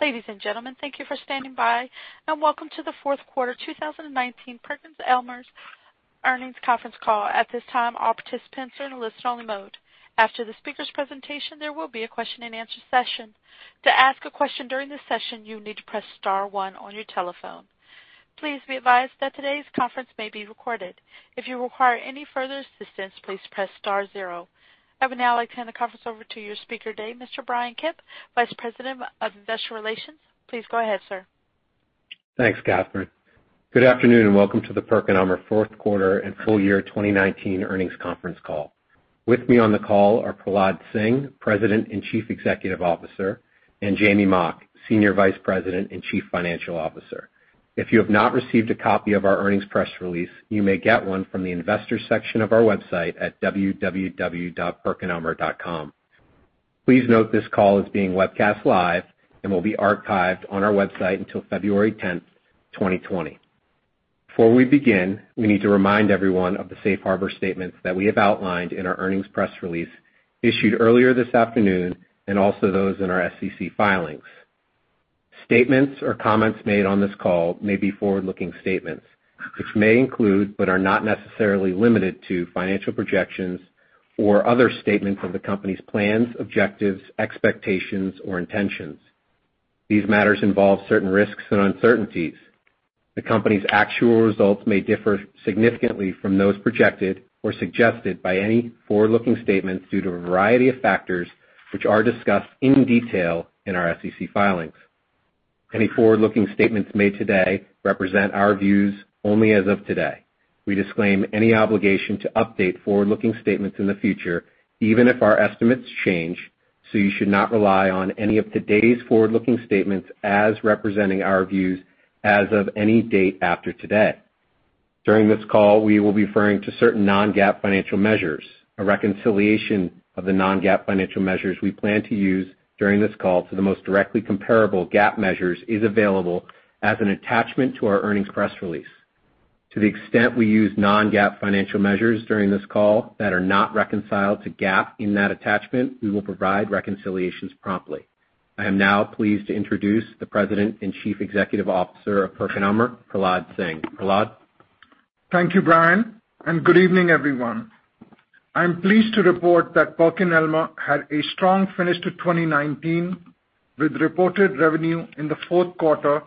Ladies and gentlemen, thank you for standing by, and welcome to the fourth quarter 2019 PerkinElmer's earnings conference call. At this time, all participants are in a listen-only mode. After the speakers' presentation, there will be a question-and-answer session. To ask a question during the session, you need to press star one on your telephone. Please be advised that today's conference may be recorded. If you require any further assistance, please press star zero. I would now like to hand the conference over to your speaker today, Mr. Bryan Kipp, Vice President of Investor Relations. Please go ahead, sir. Thanks, Catherine. Good afternoon and welcome to the PerkinElmer fourth quarter and full year 2019 earnings conference call. With me on the call are Prahlad Singh, President and Chief Executive Officer, and Jamey Mock, Senior Vice President and Chief Financial Officer. If you have not received a copy of our earnings press release, you may get one from the investors section of our website at www.perkinelmer.com. Please note this call is being webcast live and will be archived on our website until February 10th, 2020. Before we begin, we need to remind everyone of the safe harbor statements that we have outlined in our earnings press release issued earlier this afternoon, and also those in our SEC filings. Statements or comments made on this call may be forward-looking statements, which may include, but are not necessarily limited to, financial projections or other statements of the company's plans, objectives, expectations, or intentions. These matters involve certain risks and uncertainties. The company's actual results may differ significantly from those projected or suggested by any forward-looking statements due to a variety of factors, which are discussed in detail in our SEC filings. Any forward-looking statements made today represent our views only as of today. We disclaim any obligation to update forward-looking statements in the future, even if our estimates change, so you should not rely on any of today's forward-looking statements as representing our views as of any date after today. During this call, we will be referring to certain non-GAAP financial measures. A reconciliation of the non-GAAP financial measures we plan to use during this call to the most directly comparable GAAP measures is available as an attachment to our earnings press release. To the extent we use non-GAAP financial measures during this call that are not reconciled to GAAP in that attachment, we will provide reconciliations promptly. I am now pleased to introduce the President and Chief Executive Officer of PerkinElmer, Prahlad Singh. Prahlad. Thank you, Bryan, good evening, everyone. I'm pleased to report that PerkinElmer had a strong finish to 2019, with reported revenue in the fourth quarter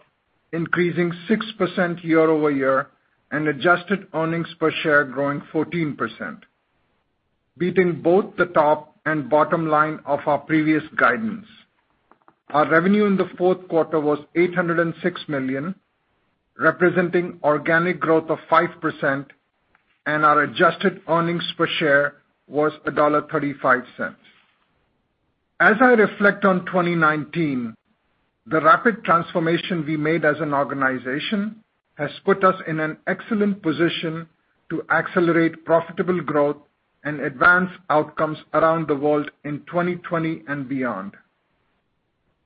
increasing 6% year-over-year and adjusted earnings per share growing 14%, beating both the top and bottom line of our previous guidance. Our revenue in the fourth quarter was $806 million, representing organic growth of 5%, and our adjusted earnings per share was $1.35. As I reflect on 2019, the rapid transformation we made as an organization has put us in an excellent position to accelerate profitable growth and advance outcomes around the world in 2020 and beyond.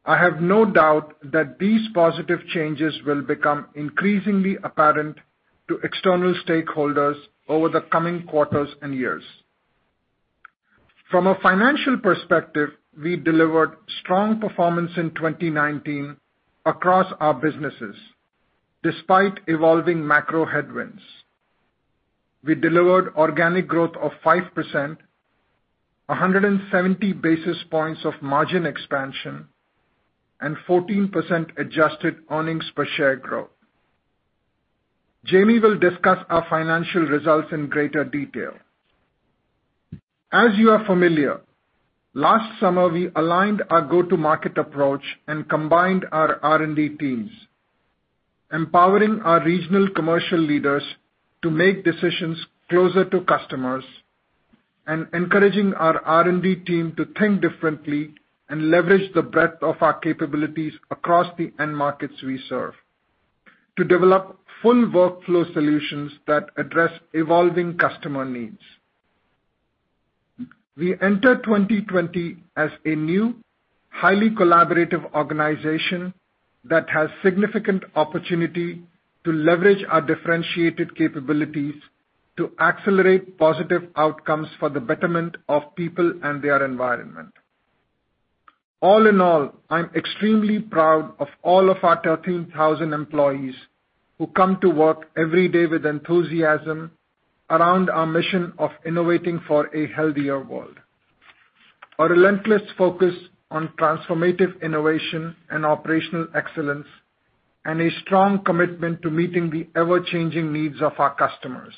I have no doubt that these positive changes will become increasingly apparent to external stakeholders over the coming quarters and years. From a financial perspective, we delivered strong performance in 2019 across our businesses, despite evolving macro headwinds. We delivered organic growth of 5%, 170 basis points of margin expansion, and 14% adjusted earnings per share growth. Jamey will discuss our financial results in greater detail. As you are familiar, last summer, we aligned our go-to-market approach and combined our R&D teams, empowering our regional commercial leaders to make decisions closer to customers and encouraging our R&D team to think differently and leverage the breadth of our capabilities across the end markets we serve to develop full workflow solutions that address evolving customer needs. We enter 2020 as a new, highly collaborative organization that has significant opportunity to leverage our differentiated capabilities to accelerate positive outcomes for the betterment of people and their environment. All in all, I'm extremely proud of all of our 13,000 employees who come to work every day with enthusiasm around our mission of innovating for a healthier world. Our relentless focus on transformative innovation and operational excellence and a strong commitment to meeting the ever-changing needs of our customers.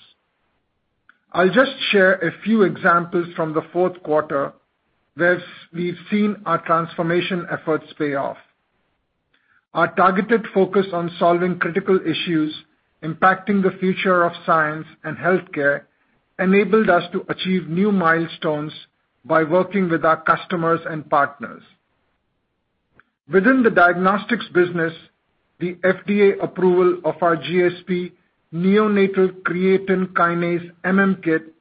I'll just share a few examples from the fourth quarter where we've seen our transformation efforts pay off. Our targeted focus on solving critical issues impacting the future of science and healthcare enabled us to achieve new milestones by working with our customers and partners. Within the diagnostics business, the FDA approval of our GSP neonatal Creatine Kinase MM kit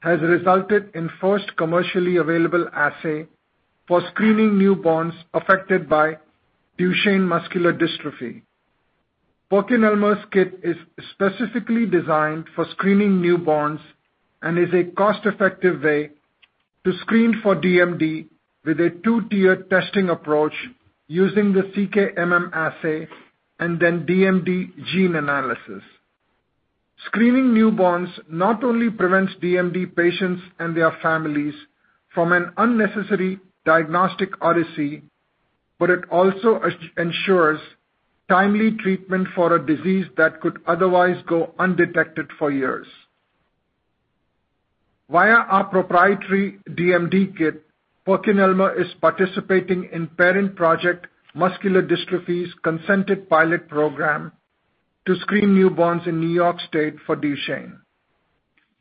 has resulted in first commercially available assay for screening newborns affected by Duchenne muscular dystrophy. PerkinElmer's kit is specifically designed for screening newborns and is a cost-effective way to screen for DMD with a 2-tiered testing approach using the CK-MM assay and then DMD gene analysis. Screening newborns not only prevents DMD patients and their families from an unnecessary diagnostic odyssey, but it also ensures timely treatment for a disease that could otherwise go undetected for years. Via our proprietary DMD kit, PerkinElmer is participating in Parent Project Muscular Dystrophy's consented pilot program to screen newborns in New York State for Duchenne.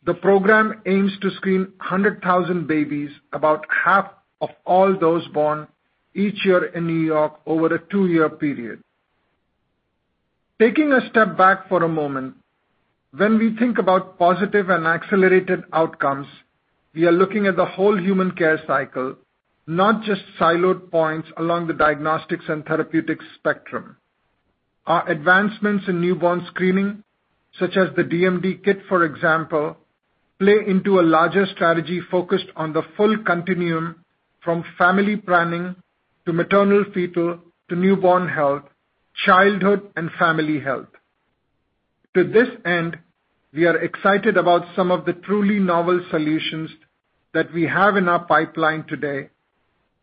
The program aims to screen 100,000 babies, about half of all those born each year in New York over a two-year period. Taking a step back for a moment, when we think about positive and accelerated outcomes, we are looking at the whole human care cycle, not just siloed points along the diagnostics and therapeutics spectrum. Our advancements in newborn screening, such as the DMD kit, for example, play into a larger strategy focused on the full continuum from family planning to maternal fetal to newborn health, childhood, and family health. To this end, we are excited about some of the truly novel solutions that we have in our pipeline today,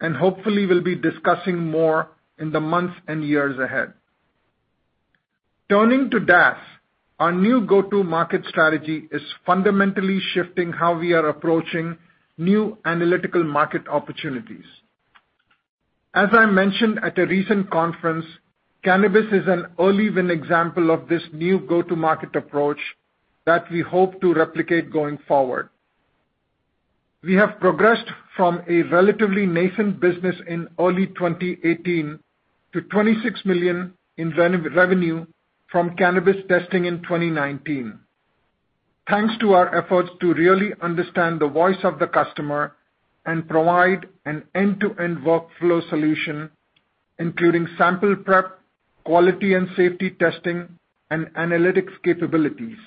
and hopefully will be discussing more in the months and years ahead. Turning to DAS, our new go-to-market strategy is fundamentally shifting how we are approaching new analytical market opportunities. As I mentioned at a recent conference, cannabis is an early win example of this new go-to-market approach that we hope to replicate going forward. We have progressed from a relatively nascent business in early 2018 to $26 million in revenue from cannabis testing in 2019, thanks to our efforts to really understand the voice of the customer and provide an end-to-end workflow solution, including sample prep, quality and safety testing, and analytics capabilities.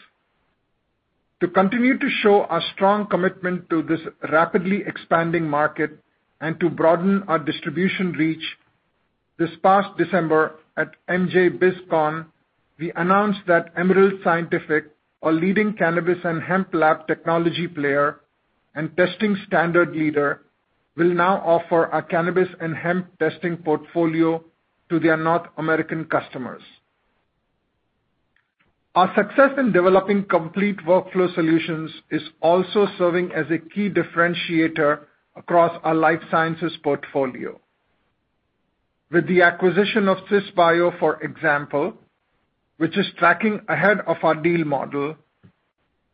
To continue to show our strong commitment to this rapidly expanding market and to broaden our distribution reach, this past December at MJBizCon, we announced that Emerald Scientific, a leading cannabis and hemp lab technology player and testing standard leader, will now offer our cannabis and hemp testing portfolio to their North American customers. Our success in developing complete workflow solutions is also serving as a key differentiator across our life sciences portfolio. With the acquisition of Cisbio, for example, which is tracking ahead of our deal model,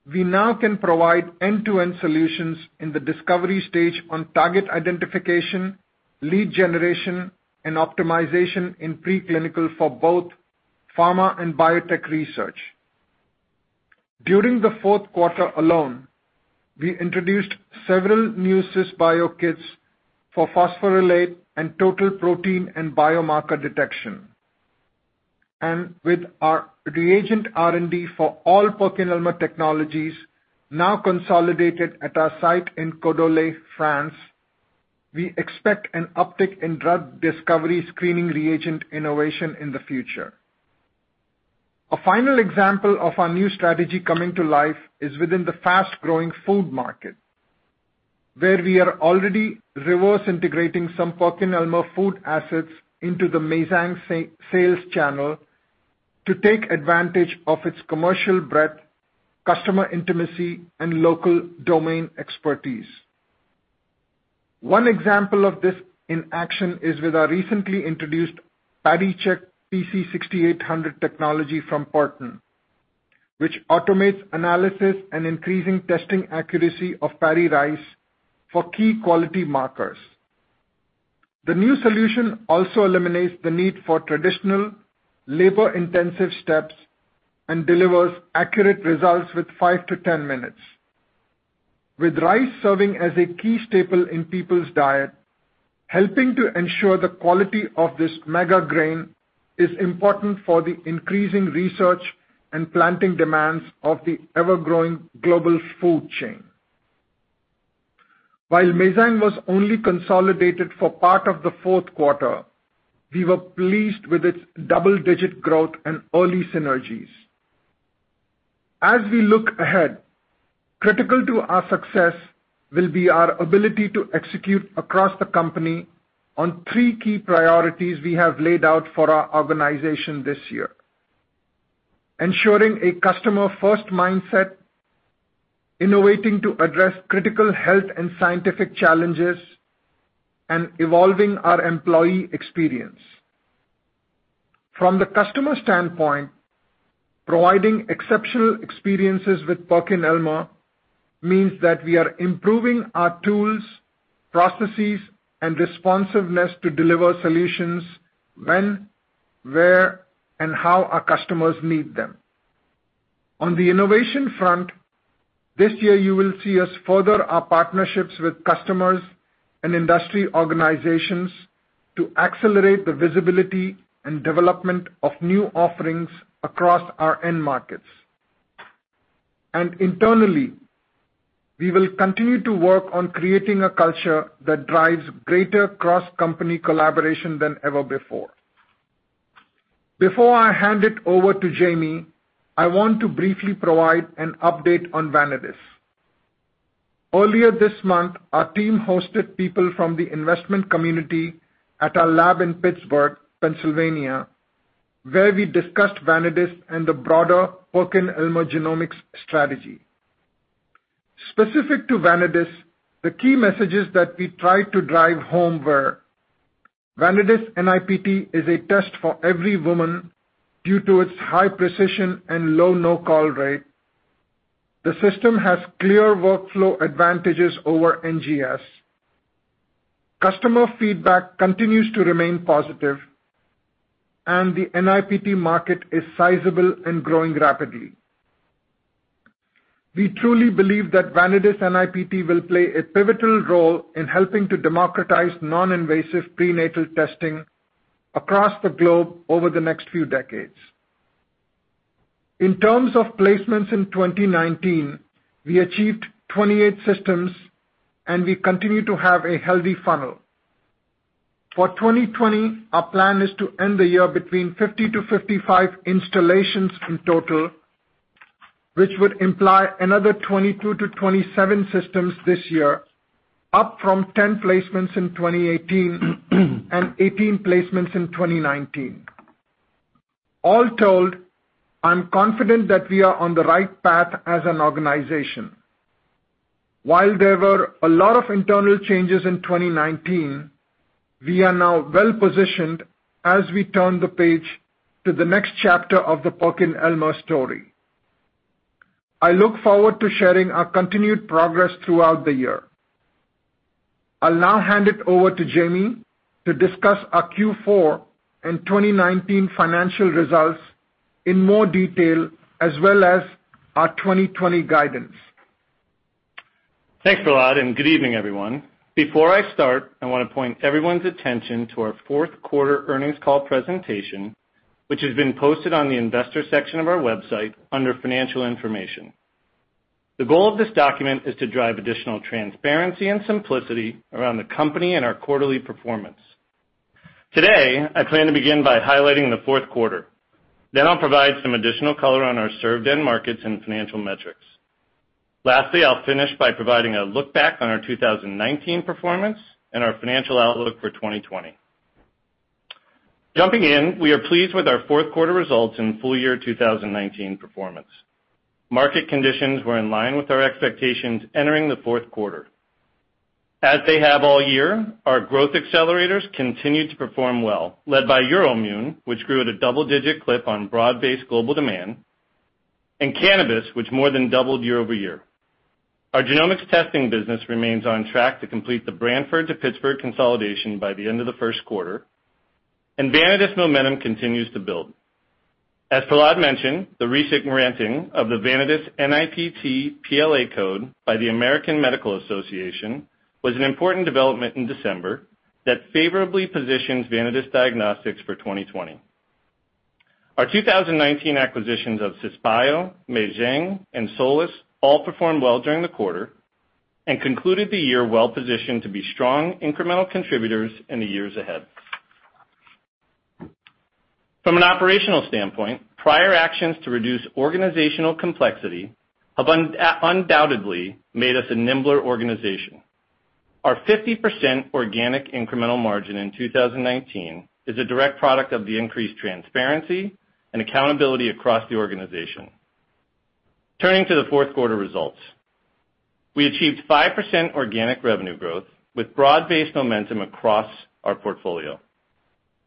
we now can provide end-to-end solutions in the discovery stage on target identification, lead generation, and optimization in preclinical for both pharma and biotech research. During the fourth quarter alone, we introduced several new Cisbio kits for phosphorylated and total protein and biomarker detection. With our reagent R&D for all PerkinElmer technologies now consolidated at our site in Codolet, France, we expect an uptick in drug discovery screening reagent innovation in the future. A final example of our new strategy coming to life is within the fast-growing food market, where we are already reverse integrating some PerkinElmer food assets into the Meizheng sales channel to take advantage of its commercial breadth, customer intimacy, and local domain expertise. One example of this in action is with our recently introduced PaddyCheck 6800 technology from Perten, which automates analysis and increasing testing accuracy of paddy rice for key quality markers. The new solution also eliminates the need for traditional labor-intensive steps and delivers accurate results with 5-10 minutes. With rice serving as a key staple in people's diet, helping to ensure the quality of this mega grain is important for the increasing research and planting demands of the ever-growing global food chain. While Meizheng was only consolidated for part of the fourth quarter, we were pleased with its double-digit growth and early synergies. We look ahead, critical to our success will be our ability to execute across the company on three key priorities we have laid out for our organization this year, ensuring a customer-first mindset, innovating to address critical health and scientific challenges, and evolving our employee experience. From the customer standpoint, providing exceptional experiences with PerkinElmer means that we are improving our tools, processes, and responsiveness to deliver solutions when, where, and how our customers need them. On the innovation front, this year, you will see us further our partnerships with customers and industry organizations to accelerate the visibility and development of new offerings across our end markets. Internally, we will continue to work on creating a culture that drives greater cross-company collaboration than ever before. Before I hand it over to Jamey, I want to briefly provide an update on Vanadis. Earlier this month, our team hosted people from the investment community at our lab in Pittsburgh, Pennsylvania, where we discussed Vanadis and the broader PerkinElmer genomics strategy. Specific to Vanadis, the key messages that we tried to drive home were Vanadis NIPT is a test for every woman due to its high precision and low no-call rate. The system has clear workflow advantages over NGS. Customer feedback continues to remain positive, and the NIPT market is sizable and growing rapidly. We truly believe that Vanadis NIPT will play a pivotal role in helping to democratize non-invasive prenatal testing across the globe over the next few decades. In terms of placements in 2019, we achieved 28 systems, and we continue to have a healthy funnel. For 2020, our plan is to end the year between 50-55 installations in total, which would imply another 22-27 systems this year, up from 10 placements in 2018 and 18 placements in 2019. All told, I'm confident that we are on the right path as an organization. While there were a lot of internal changes in 2019, we are now well-positioned as we turn the page to the next chapter of the PerkinElmer story. I look forward to sharing our continued progress throughout the year. I'll now hand it over to Jamey to discuss our Q4 and 2019 financial results in more detail, as well as our 2020 guidance. Thanks, Prahlad, good evening, everyone. Before I start, I want to point everyone's attention to our fourth quarter earnings call presentation, which has been posted on the investor section of our website under financial information. The goal of this document is to drive additional transparency and simplicity around the company and our quarterly performance. Today, I plan to begin by highlighting the fourth quarter. I'll provide some additional color on our served end markets and financial metrics. I'll finish by providing a look back on our 2019 performance and our financial outlook for 2020. Jumping in, we are pleased with our fourth quarter results and full year 2019 performance. Market conditions were in line with our expectations entering the fourth quarter. As they have all year, our growth accelerators continued to perform well, led by EUROIMMUN, which grew at a double-digit clip on broad-based global demand, and cannabis, which more than doubled year-over-year. Our genomics testing business remains on track to complete the Branford to Pittsburgh consolidation by the end of the first quarter. Vanadis momentum continues to build. As Prahlad mentioned, the recent granting of the Vanadis NIPT PLA code by the American Medical Association was an important development in December that favorably positions Vanadis Diagnostics for 2020. Our 2019 acquisitions of Cisbio, Meizheng, and Solus all performed well during the quarter and concluded the year well-positioned to be strong incremental contributors in the years ahead. From an operational standpoint, prior actions to reduce organizational complexity have undoubtedly made us a nimbler organization. Our 50% organic incremental margin in 2019 is a direct product of the increased transparency and accountability across the organization. Turning to the fourth quarter results, we achieved 5% organic revenue growth with broad-based momentum across our portfolio.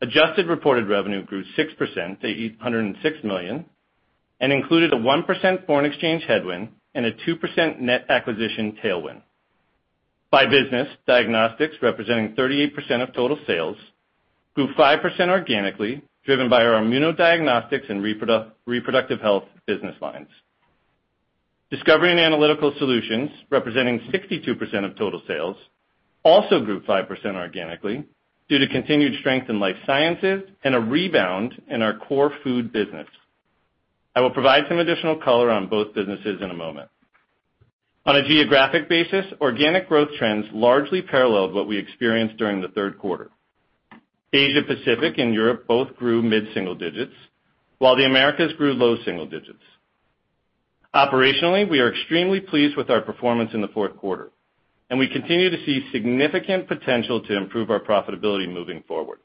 Adjusted reported revenue grew 6% to $806 million and included a 1% foreign exchange headwind and a 2% net acquisition tailwind. By business, Diagnostics, representing 38% of total sales, grew 5% organically, driven by our immunodiagnostics and reproductive health business lines. Discovery and Analytical Solutions, representing 62% of total sales, also grew 5% organically due to continued strength in life sciences and a rebound in our core food business. I will provide some additional color on both businesses in a moment. On a geographic basis, organic growth trends largely paralleled what we experienced during the third quarter. Asia-Pacific and Europe both grew mid-single digits, while the Americas grew low single digits. Operationally, we are extremely pleased with our performance in the fourth quarter. We continue to see significant potential to improve our profitability moving forward.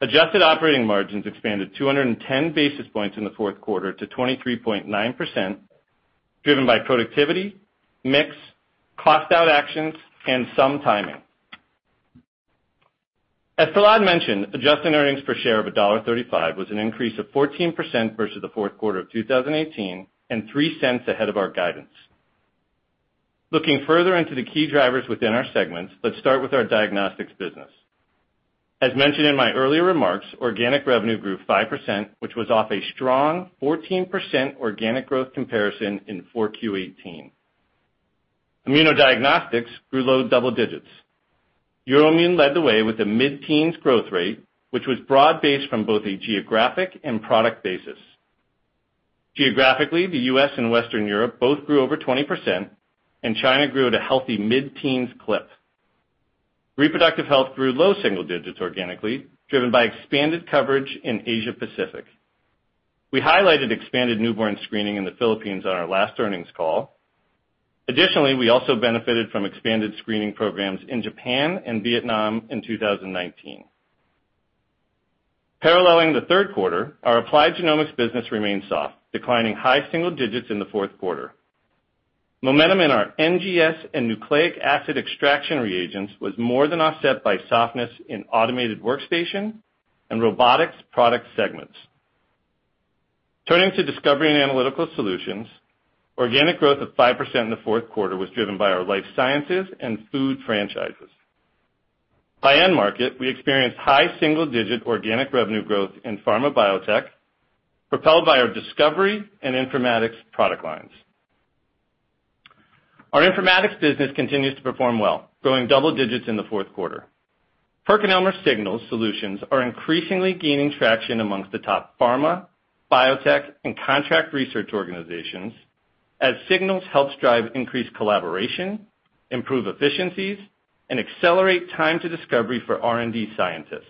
Adjusted operating margins expanded 210 basis points in the fourth quarter to 23.9%, driven by productivity, mix, cost out actions, and some timing. As Prahlad mentioned, adjusted earnings per share of $1.35 was an increase of 14% versus the fourth quarter of 2018 and $0.03 ahead of our guidance. Looking further into the key drivers within our segments, let's start with our diagnostics business. As mentioned in my earlier remarks, organic revenue grew 5%, which was off a strong 14% organic growth comparison in Q4 2018. Immunodiagnostics grew low double digits. EUROIMMUN led the way with a mid-teens growth rate, which was broad-based from both a geographic and product basis. Geographically, the U.S. and Western Europe both grew over 20%, and China grew at a healthy mid-teens clip. Reproductive Health grew low single digits organically, driven by expanded coverage in Asia Pacific. We highlighted expanded newborn screening in the Philippines on our last earnings call. Additionally, we also benefited from expanded screening programs in Japan and Vietnam in 2019. Paralleling the third quarter, our Applied Genomics business remained soft, declining high single digits in the fourth quarter. Momentum in our NGS and nucleic acid extraction reagents was more than offset by softness in automated workstation and robotics product segments. Turning to Discovery and Analytical Solutions, organic growth of 5% in the fourth quarter was driven by our life sciences and food franchises. High-end market, we experienced high single-digit organic revenue growth in pharma biotech, propelled by our discovery and informatics product lines. Our informatics business continues to perform well, growing double digits in the fourth quarter. PerkinElmer Signals solutions are increasingly gaining traction amongst the top pharma, biotech, and contract research organizations as Signals helps drive increased collaboration, improve efficiencies, and accelerate time to discovery for R&D scientists.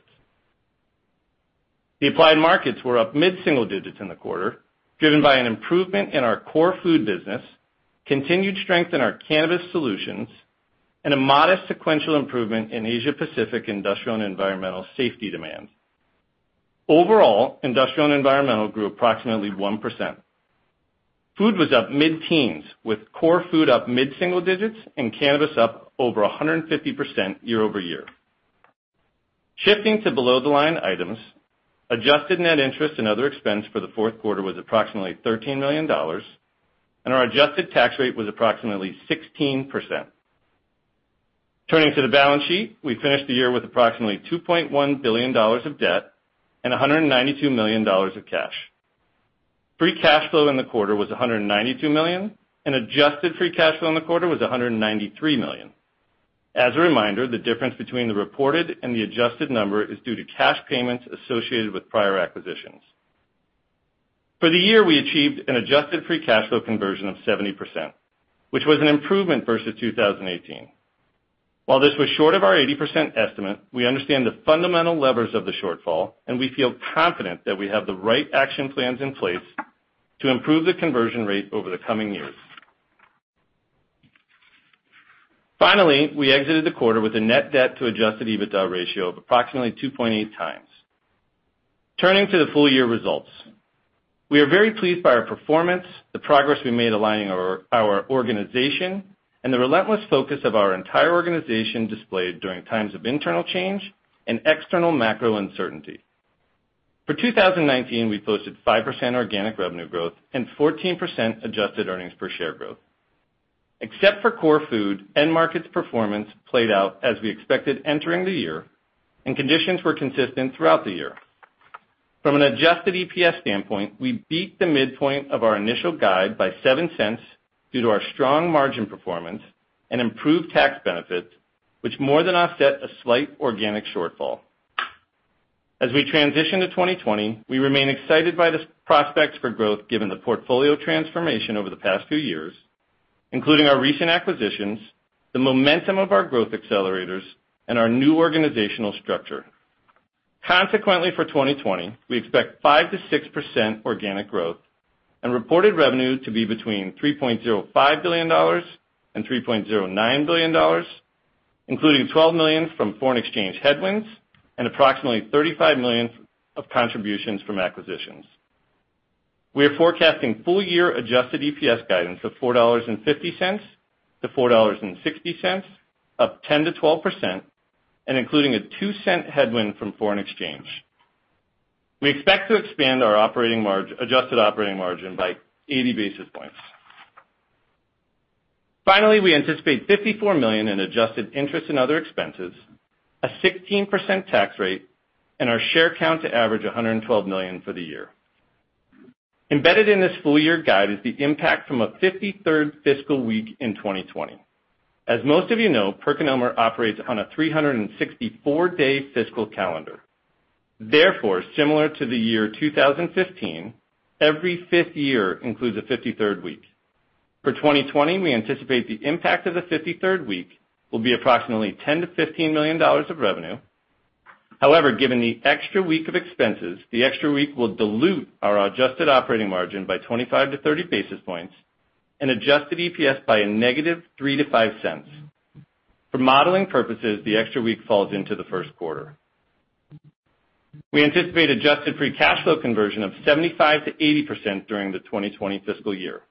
The applied markets were up mid-single digits in the quarter, driven by an improvement in our core food business, continued strength in our cannabis solutions, and a modest sequential improvement in Asia-Pacific industrial and environmental safety demands. Overall, industrial and environmental grew approximately 1%. Food was up mid-teens, with core food up mid-single digits and cannabis up over 150% year-over-year. Shifting to below-the-line items, adjusted net interest and other expense for the fourth quarter was approximately $13 million, and our adjusted tax rate was approximately 16%. Turning to the balance sheet, we finished the year with approximately $2.1 billion of debt and $192 million of cash. Adjusted free cash flow in the quarter was $192 million, and adjusted free cash flow in the quarter was $193 million. As a reminder, the difference between the reported and the adjusted number is due to cash payments associated with prior acquisitions. For the year, we achieved an adjusted free cash flow conversion of 70%, which was an improvement versus 2018. While this was short of our 80% estimate, we understand the fundamental levers of the shortfall, and we feel confident that we have the right action plans in place to improve the conversion rate over the coming years. Finally, we exited the quarter with a net debt to adjusted EBITDA ratio of approximately 2.8x. Turning to the full year results, we are very pleased by our performance, the progress we made aligning our organization, and the relentless focus of our entire organization displayed during times of internal change and external macro uncertainty. For 2019, we posted 5% organic revenue growth and 14% adjusted earnings per share growth. Except for core food, end markets performance played out as we expected entering the year, and conditions were consistent throughout the year. From an adjusted EPS standpoint, we beat the midpoint of our initial guide by $0.07 due to our strong margin performance and improved tax benefits, which more than offset a slight organic shortfall. As we transition to 2020, we remain excited by this prospect for growth given the portfolio transformation over the past few years, including our recent acquisitions, the momentum of our growth accelerators, and our new organizational structure. For 2020, we expect 5%-6% organic growth and reported revenue to be between $3.05 billion and $3.09 billion, including $12 million from foreign exchange headwinds and approximately $35 million of contributions from acquisitions. We are forecasting full year adjusted EPS guidance of $4.50 to 4.60, up 10%-12%, and including a $0.02 headwind from foreign exchange. We expect to expand our adjusted operating margin by 80 basis points. We anticipate $54 million in adjusted interest and other expenses, a 16% tax rate, and our share count to average 112 million for the year. Embedded in this full year guide is the impact from a 53rd fiscal week in 2020. As most of you know, PerkinElmer operates on a 364-day fiscal calendar. Similar to the year 2015, every fifth year includes a 53rd week. For 2020, we anticipate the impact of the 53rd week will be approximately $10 million-$15 million of revenue. Given the extra week of expenses, the extra week will dilute our adjusted operating margin by 25-30 basis points and adjust the EPS by a negative $0.03-$0.05. For modeling purposes, the extra week falls into the first quarter. We anticipate adjusted free cash flow conversion of 75%-80% during the 2020 fiscal year,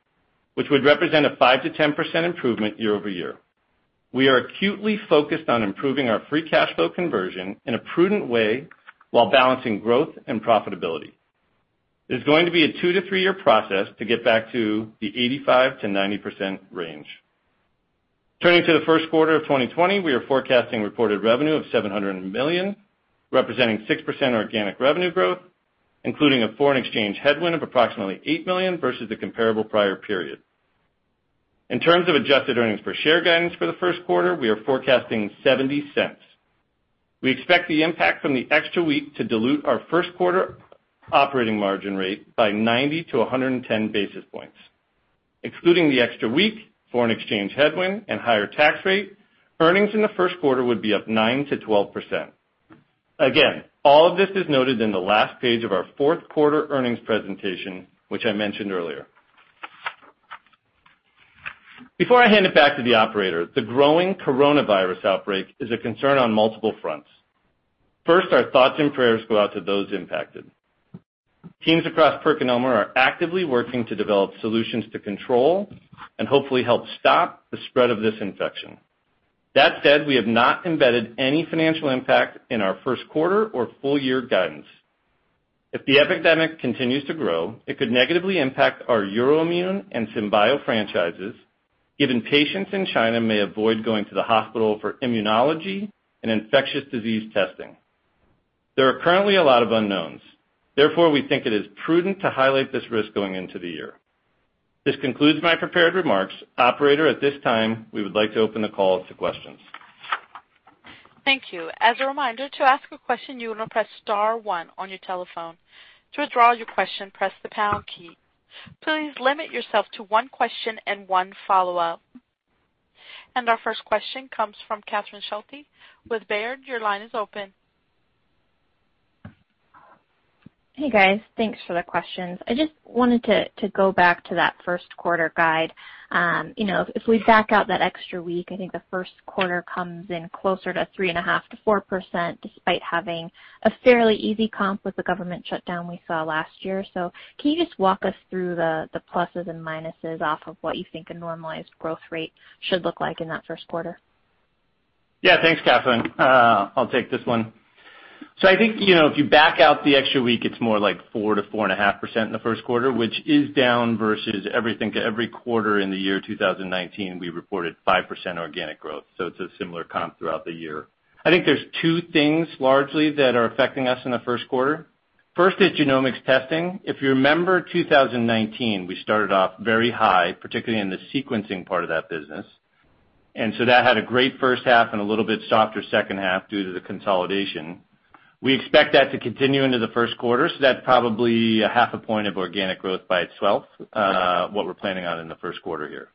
which would represent a 5%-10% improvement year-over-year. We are acutely focused on improving our free cash flow conversion in a prudent way while balancing growth and profitability. It's going to be a two to three year process to get back to the 85%-90% range. Turning to the first quarter of 2020, we are forecasting reported revenue of $700 million, representing 6% organic revenue growth, including a foreign exchange headwind of approximately $8 million versus the comparable prior period. In terms of adjusted earnings per share guidance for the first quarter, we are forecasting $0.70. We expect the impact from the extra week to dilute our first quarter operating margin rate by 90-110 basis points. Excluding the extra week, foreign exchange headwind, and higher tax rate, earnings in the first quarter would be up 9%-12%. Again, all of this is noted in the last page of our fourth quarter earnings presentation, which I mentioned earlier. Before I hand it back to the operator, the growing coronavirus outbreak is a concern on multiple fronts. First, our thoughts and prayers go out to those impacted. Teams across PerkinElmer are actively working to develop solutions to control and hopefully help stop the spread of this infection. We have not embedded any financial impact in our first quarter or full year guidance. If the epidemic continues to grow, it could negatively impact our EUROIMMUN and Cisbio franchises, given patients in China may avoid going to the hospital for immunology and infectious disease testing. There are currently a lot of unknowns. We think it is prudent to highlight this risk going into the year. This concludes my prepared remarks. Operator, at this time, we would like to open the call to questions. Thank you. As a reminder, to ask a question, you want to press star one on your telephone. To withdraw your question, press the pound key. Please limit yourself to one question and one follow-up. Our first question comes from Catherine Schulte with Baird. Your line is open. Hey, guys. Thanks for the questions. I just wanted to go back to that first quarter guide. If we back out that extra week, I think the first quarter comes in closer to 3.5%-4%, despite having a fairly easy comp with the government shutdown we saw last year. Can you just walk us through the pluses and minuses off of what you think a normalized growth rate should look like in that first quarter? Yeah. Thanks, Catherine. I'll take this one. I think, if you back out the extra week, it's more like 4%-4.5% in the first quarter, which is down versus every quarter in the year 2019, we reported 5% organic growth. It's a similar comp throughout the year. I think there's two things largely that are affecting us in the first quarter. First is genomics testing. If you remember 2019, we started off very high, particularly in the sequencing part of that business. That had a great first half and a little bit softer second half due to the consolidation. We expect that to continue into the first quarter, so that's probably a half a point of organic growth by itself, what we're planning on in the first quarter here.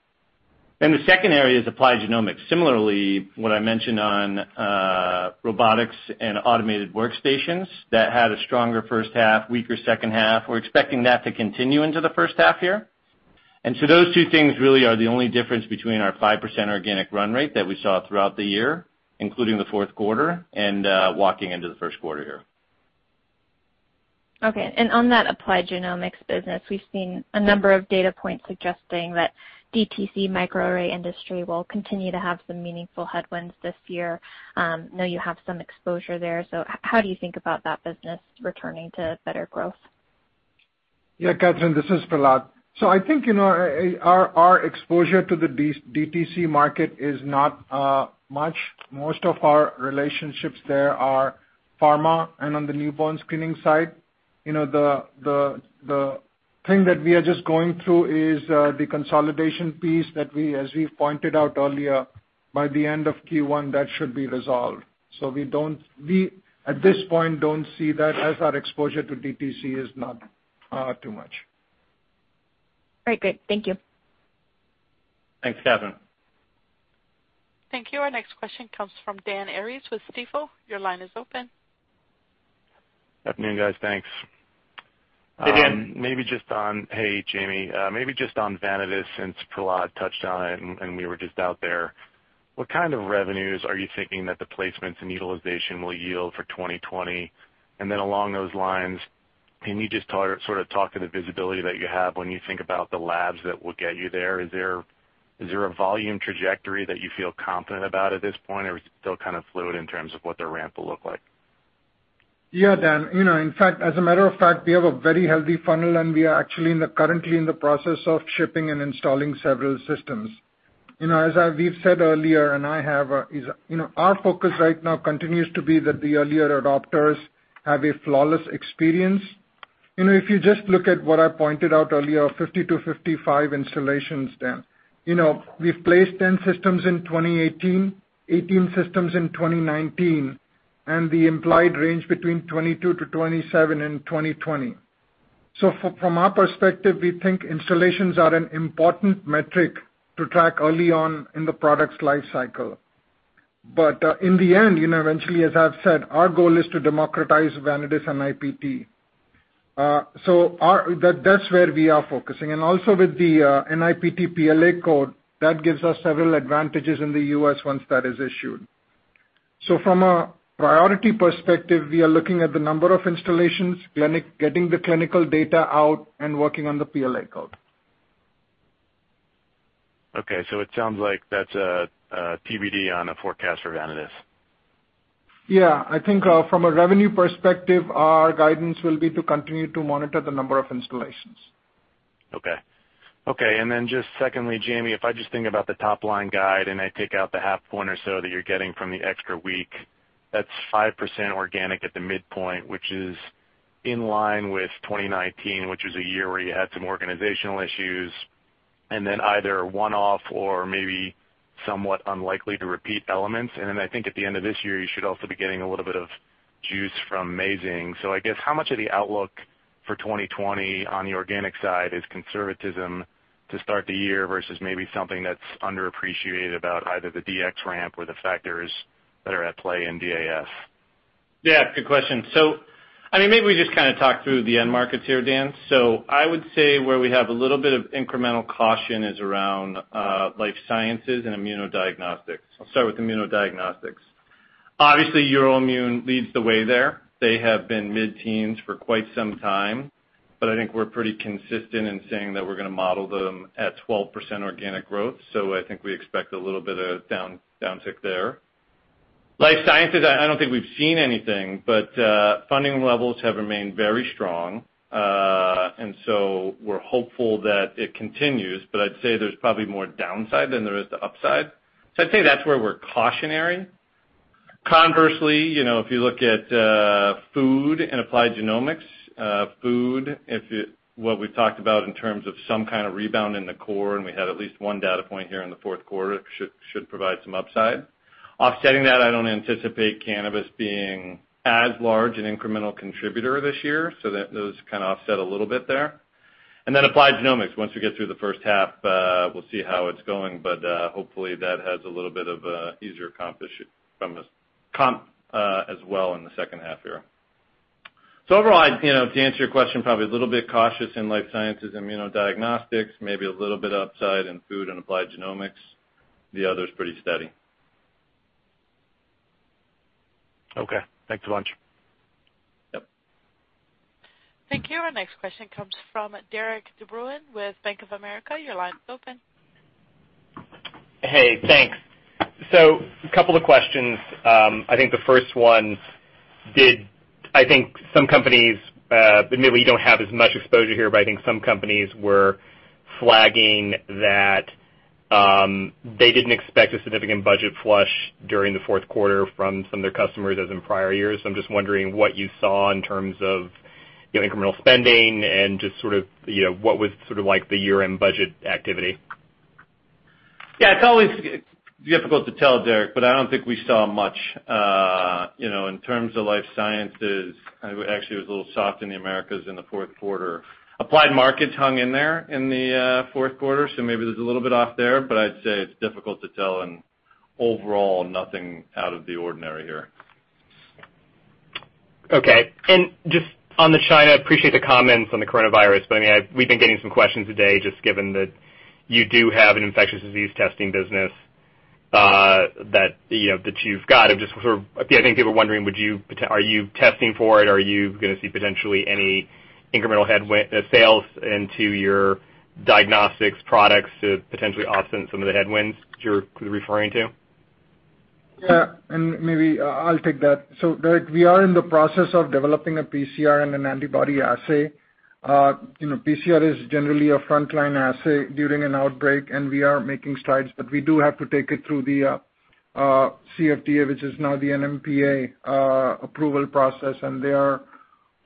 The second area is applied genomics. Similarly, what I mentioned on robotics and automated workstations, that had a stronger first half, weaker second half. We're expecting that to continue into the first half here. Those two things really are the only difference between our 5% organic run rate that we saw throughout the year, including the fourth quarter and walking into the first quarter here. Okay. On that applied genomics business, we've seen a number of data points suggesting that DTC microarray industry will continue to have some meaningful headwinds this year. We know you have some exposure there, how do you think about that business returning to better growth? Yeah, Catherine. This is Prahlad. I think our exposure to the DTC market is not much. Most of our relationships there are pharma and on the newborn screening side. The thing that we are just going through is the consolidation piece that, as we pointed out earlier, by the end of Q1, that should be resolved. We, at this point, don't see that as our exposure to DTC is not too much. All right, good. Thank you. Thanks, Catherine. Thank you. Our next question comes from Dan Arias with Stifel. Your line is open. Good afternoon, guys. Thanks. Hey, Dan. Hey, Jamey. Maybe just on Vanadis, since Prahlad touched on it and we were just out there, what kind of revenues are you thinking that the placements and utilization will yield for 2020? Then along those lines, can you just sort of talk to the visibility that you have when you think about the labs that will get you there? Is there a volume trajectory that you feel confident about at this point, or is it still kind of fluid in terms of what the ramp will look like? Yeah, Dan. As a matter of fact, we have a very healthy funnel, and we are actually currently in the process of shipping and installing several systems. As we've said earlier, and I have, our focus right now continues to be that the earlier adopters have a flawless experience. If you just look at what I pointed out earlier, 50-55 installations, Dan. We've placed 10 systems in 2018, 18 systems in 2019, and the implied range between 22-27 in 2020. From our perspective, we think installations are an important metric to track early on in the product's life cycle. In the end, eventually, as I've said, our goal is to democratize Vanadis NIPT. That's where we are focusing. Also with the NIPT PLA code, that gives us several advantages in the U.S. once that is issued. From a priority perspective, we are looking at the number of installations, getting the clinical data out, and working on the PLA code. Okay. It sounds like that's a TBD on a forecast for Vanadis. I think from a revenue perspective, our guidance will be to continue to monitor the number of installations. Okay. Secondly, Jamey, if I just think about the top-line guide, I take out the half point or so that you're getting from the extra week, that's 5% organic at the midpoint, which is in line with 2019, which was a year where you had some organizational issues, either a one-off or maybe somewhat unlikely to repeat elements. I think at the end of this year, you should also be getting a little bit of juice from Meizheng. I guess, how much of the outlook for 2020 on the organic side is conservatism to start the year versus maybe something that's underappreciated about either the DX ramp or the factors that are at play in DAS? Yeah, good question. Maybe we just talk through the end markets here, Dan. I would say where we have a little bit of incremental caution is around life sciences and immunodiagnostics. I'll start with immunodiagnostics. Obviously, EUROIMMUN leads the way there. They have been mid-teens for quite some time, but I think we're pretty consistent in saying that we're going to model them at 12% organic growth. I think we expect a little bit of downtick there. Life sciences, I don't think we've seen anything, but funding levels have remained very strong. We're hopeful that it continues, but I'd say there's probably more downside than there is to upside. I'd say that's where we're cautionary. Conversely, if you look at food and applied genomics. Food, what we've talked about in terms of some kind of rebound in the core, and we had at least one data point here in the fourth quarter, should provide some upside. Offsetting that, I don't anticipate cannabis being as large an incremental contributor this year, so those offset a little bit there. Applied genomics. Once we get through the first half, we'll see how it's going, but hopefully, that has a little bit of a easier comp as well in the second half year. Overall, to answer your question, probably a little bit cautious in life sciences, immunodiagnostics, maybe a little bit upside in food and applied genomics. The other's pretty steady. Okay. Thanks a bunch. Yep. Thank you. Our next question comes from Derik de Bruin with Bank of America. Your line's open. Hey, thanks. Two questions. The first one, some companies, admittedly don't have as much exposure here, but some companies were flagging that they didn't expect a significant budget flush during the fourth quarter from some of their customers as in prior years. I'm just wondering what you saw in terms of incremental spending and just what was the year-end budget activity? Yeah, it's always difficult to tell, Derik, but I don't think we saw much. In terms of life sciences, actually, it was a little soft in the Americas in the fourth quarter. Applied markets hung in there in the fourth quarter, so maybe there's a little bit off there, but I'd say it's difficult to tell, and overall, nothing out of the ordinary here. Okay. Just on the China, appreciate the comments on the coronavirus, but we've been getting some questions today just given that you do have an infectious disease testing business that you've got. I think people are wondering, are you testing for it? Are you going to see potentially any incremental sales into your diagnostics products to potentially offset some of the headwinds that you're referring to? Maybe I'll take that. Derik, we are in the process of developing a PCR and an antibody assay. PCR is generally a frontline assay during an outbreak, and we are making strides, but we do have to take it through the CFDA, which is now the NMPA, approval process, and they are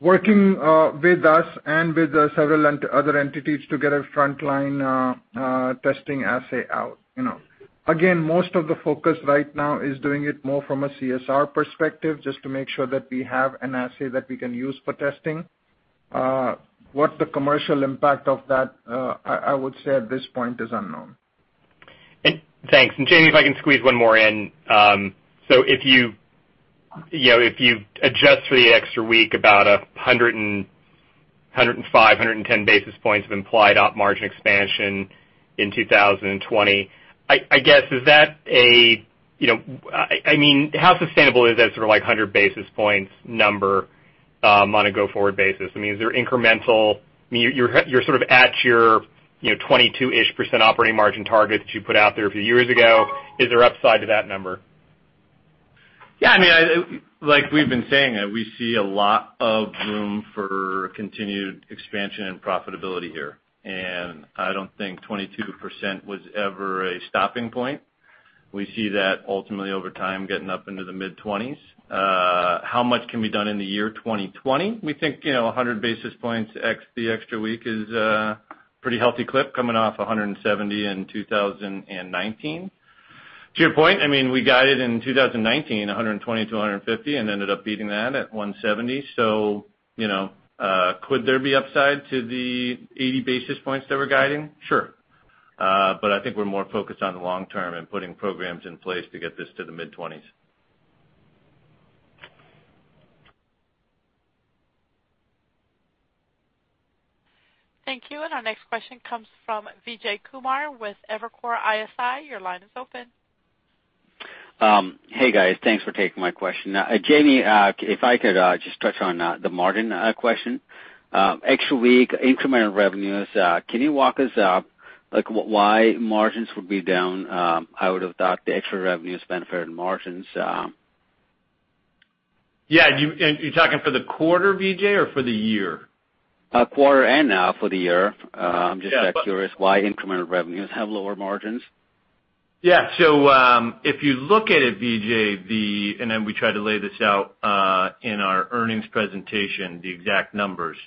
working with us and with several other entities to get a frontline testing assay out. Again, most of the focus right now is doing it more from a CSR perspective, just to make sure that we have an assay that we can use for testing. What the commercial impact of that, I would say at this point is unknown. Thanks. Jamey, if I can squeeze one more in. If you adjust for the extra week, about 105, 110 basis points of implied op margin expansion in 2020. How sustainable is that 100 basis points number on a go-forward basis? You're at your 22-ish% operating margin target that you put out there a few years ago. Is there upside to that number? Yeah. Like we've been saying, we see a lot of room for continued expansion and profitability here. I don't think 22% was ever a stopping point. We see that ultimately over time getting up into the mid-20s. How much can be done in the year 2020? We think 100 basis points ex the extra week is a pretty healthy clip coming off 170 in 2019. To your point, we guided in 2019, 120-150, and ended up beating that at 170. Could there be upside to the 80 basis points that we're guiding? Sure. I think we're more focused on the long term and putting programs in place to get this to the mid-20s. Thank you. Our next question comes from Vijay Kumar with Evercore ISI. Your line is open. Hey guys, thanks for taking my question. Jamey, if I could just touch on the margin question. Extra week, incremental revenues, can you walk us up, why margins would be down? I would have thought the extra revenues benefit margins. Yeah. You're talking for the quarter, Vijay, or for the year? Quarter and for the year. Yeah. I'm just curious why incremental revenues have lower margins? Yeah. If you look at it, Vijay, and then we try to lay this out in our earnings presentation, the exact numbers.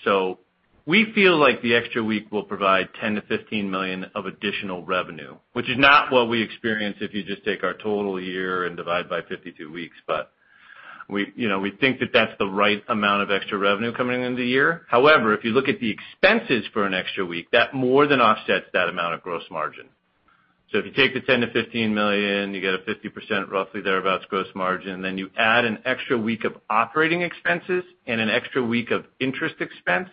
We feel like the extra week will provide $10 million-$15 million of additional revenue, which is not what we experience if you just take our total year and divide by 52 weeks. We think that that's the right amount of extra revenue coming into the year. However, if you look at the expenses for an extra week, that more than offsets that amount of gross margin. If you take the $10 million-$15 million, you get a 50%, roughly thereabouts, gross margin, then you add an extra week of operating expenses and an extra week of interest expense,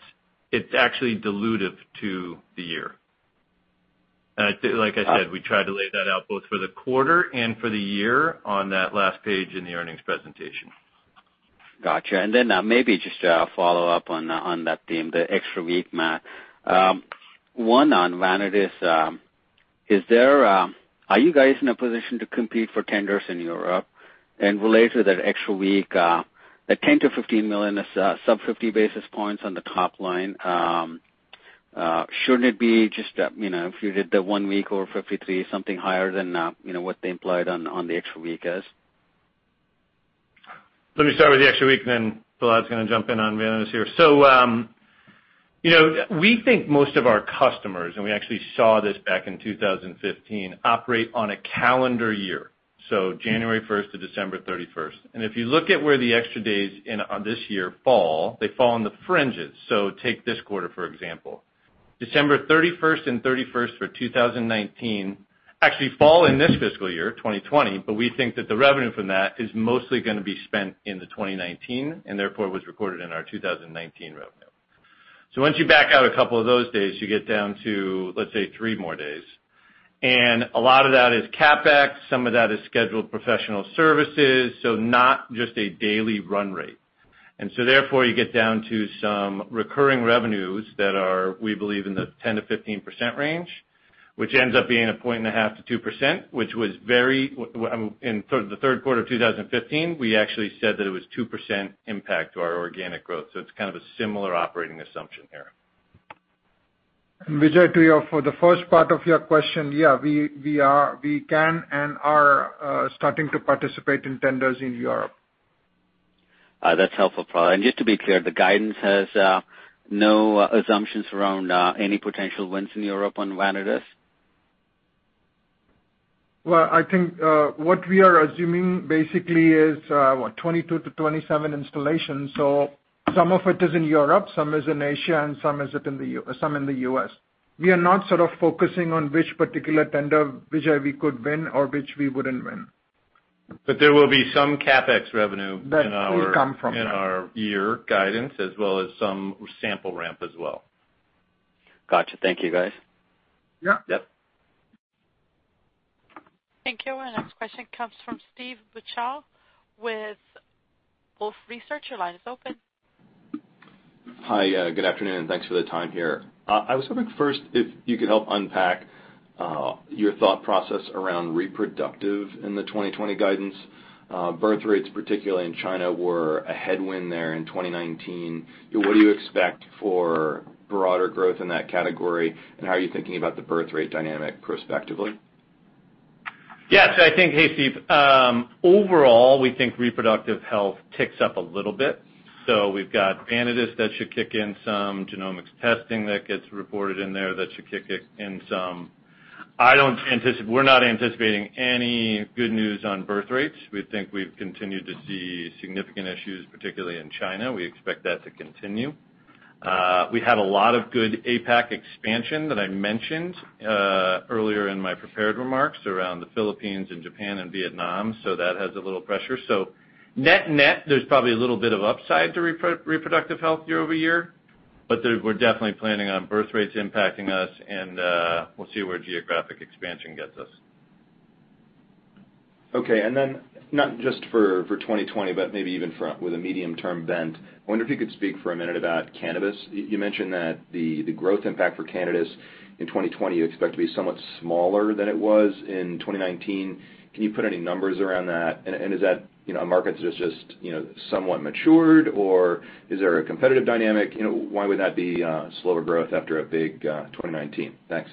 it's actually dilutive to the year. Like I said, we try to lay that out both for the quarter and for the year on that last page in the earnings presentation. Got you. Maybe just a follow-up on that theme, the extra week, month. One on Vanadis. Are you guys in a position to compete for tenders in Europe? Related to that extra week, the $10 million-$15 million is sub 50 basis points on the top line. Shouldn't it be just that if you did the one week or 53, something higher than what they implied on the extra week is? Let me start with the extra week, and then Prahlad's going to jump in on Vanadis here. We think most of our customers, and we actually saw this back in 2015, operate on a calendar year, so January 1st to December 31st. If you look at where the extra days on this year fall, they fall on the fringes. Take this quarter, for example. December 31st and 31st for 2019 actually fall in this fiscal year, 2020, we think that the revenue from that is mostly going to be spent in the 2019, therefore, was recorded in our 2019 revenue. Once you back out a couple of those days, you get down to, let's say, three more days. A lot of that is CapEx, some of that is scheduled professional services, not just a daily run rate. Therefore, you get down to some recurring revenues that are, we believe, in the 10%-15% range, which ends up being 1.5%-2%, which in the third quarter of 2015, we actually said that it was 2% impact to our organic growth. It's kind of a similar operating assumption here. Vijay, to you, for the first part of your question, yeah, we can and are starting to participate in tenders in Europe. That's helpful, Prahlad. Just to be clear, the guidance has no assumptions around any potential wins in Europe on Vanadis? Well, I think, what we are assuming, basically, is what, 22 to 27 installations. Some of it is in Europe, some is in Asia, and some in the U.S. We are not sort of focusing on which particular tender, which we could win or which we wouldn't win. There will be some CapEx revenue- That will come from that. In our year guidance, as well as some sample ramp as well. Got you. Thank you, guys. Yeah. Yep. Thank you. Our next question comes from Steve Beuchaw with Wolfe Research. Your line is open. Hi, good afternoon, and thanks for the time here. I was hoping first if you could help unpack your thought process around Reproductive in the 2020 guidance. Birth rates, particularly in China, were a headwind there in 2019. What do you expect for broader growth in that category, and how are you thinking about the birth rate dynamic prospectively? Yes. I think, hey, Steve, overall, we think reproductive health ticks up a little bit. We've got Vanadis that should kick in some genomics testing that gets reported in there that should kick in some. We're not anticipating any good news on birth rates. We think we've continued to see significant issues, particularly in China. We expect that to continue. We had a lot of good APAC expansion that I mentioned earlier in my prepared remarks around the Philippines and Japan and Vietnam, that has a little pressure. Net-net, there's probably a little bit of upside to reproductive health year-over-year, we're definitely planning on birth rates impacting us, and we'll see where geographic expansion gets us. Okay. Not just for 2020, but maybe even with a medium-term bent, I wonder if you could speak for a minute about cannabis. You mentioned that the growth impact for cannabis in 2020, you expect to be somewhat smaller than it was in 2019. Can you put any numbers around that? Is that a market that has just somewhat matured, or is there a competitive dynamic? Why would that be slower growth after a big 2019? Thanks.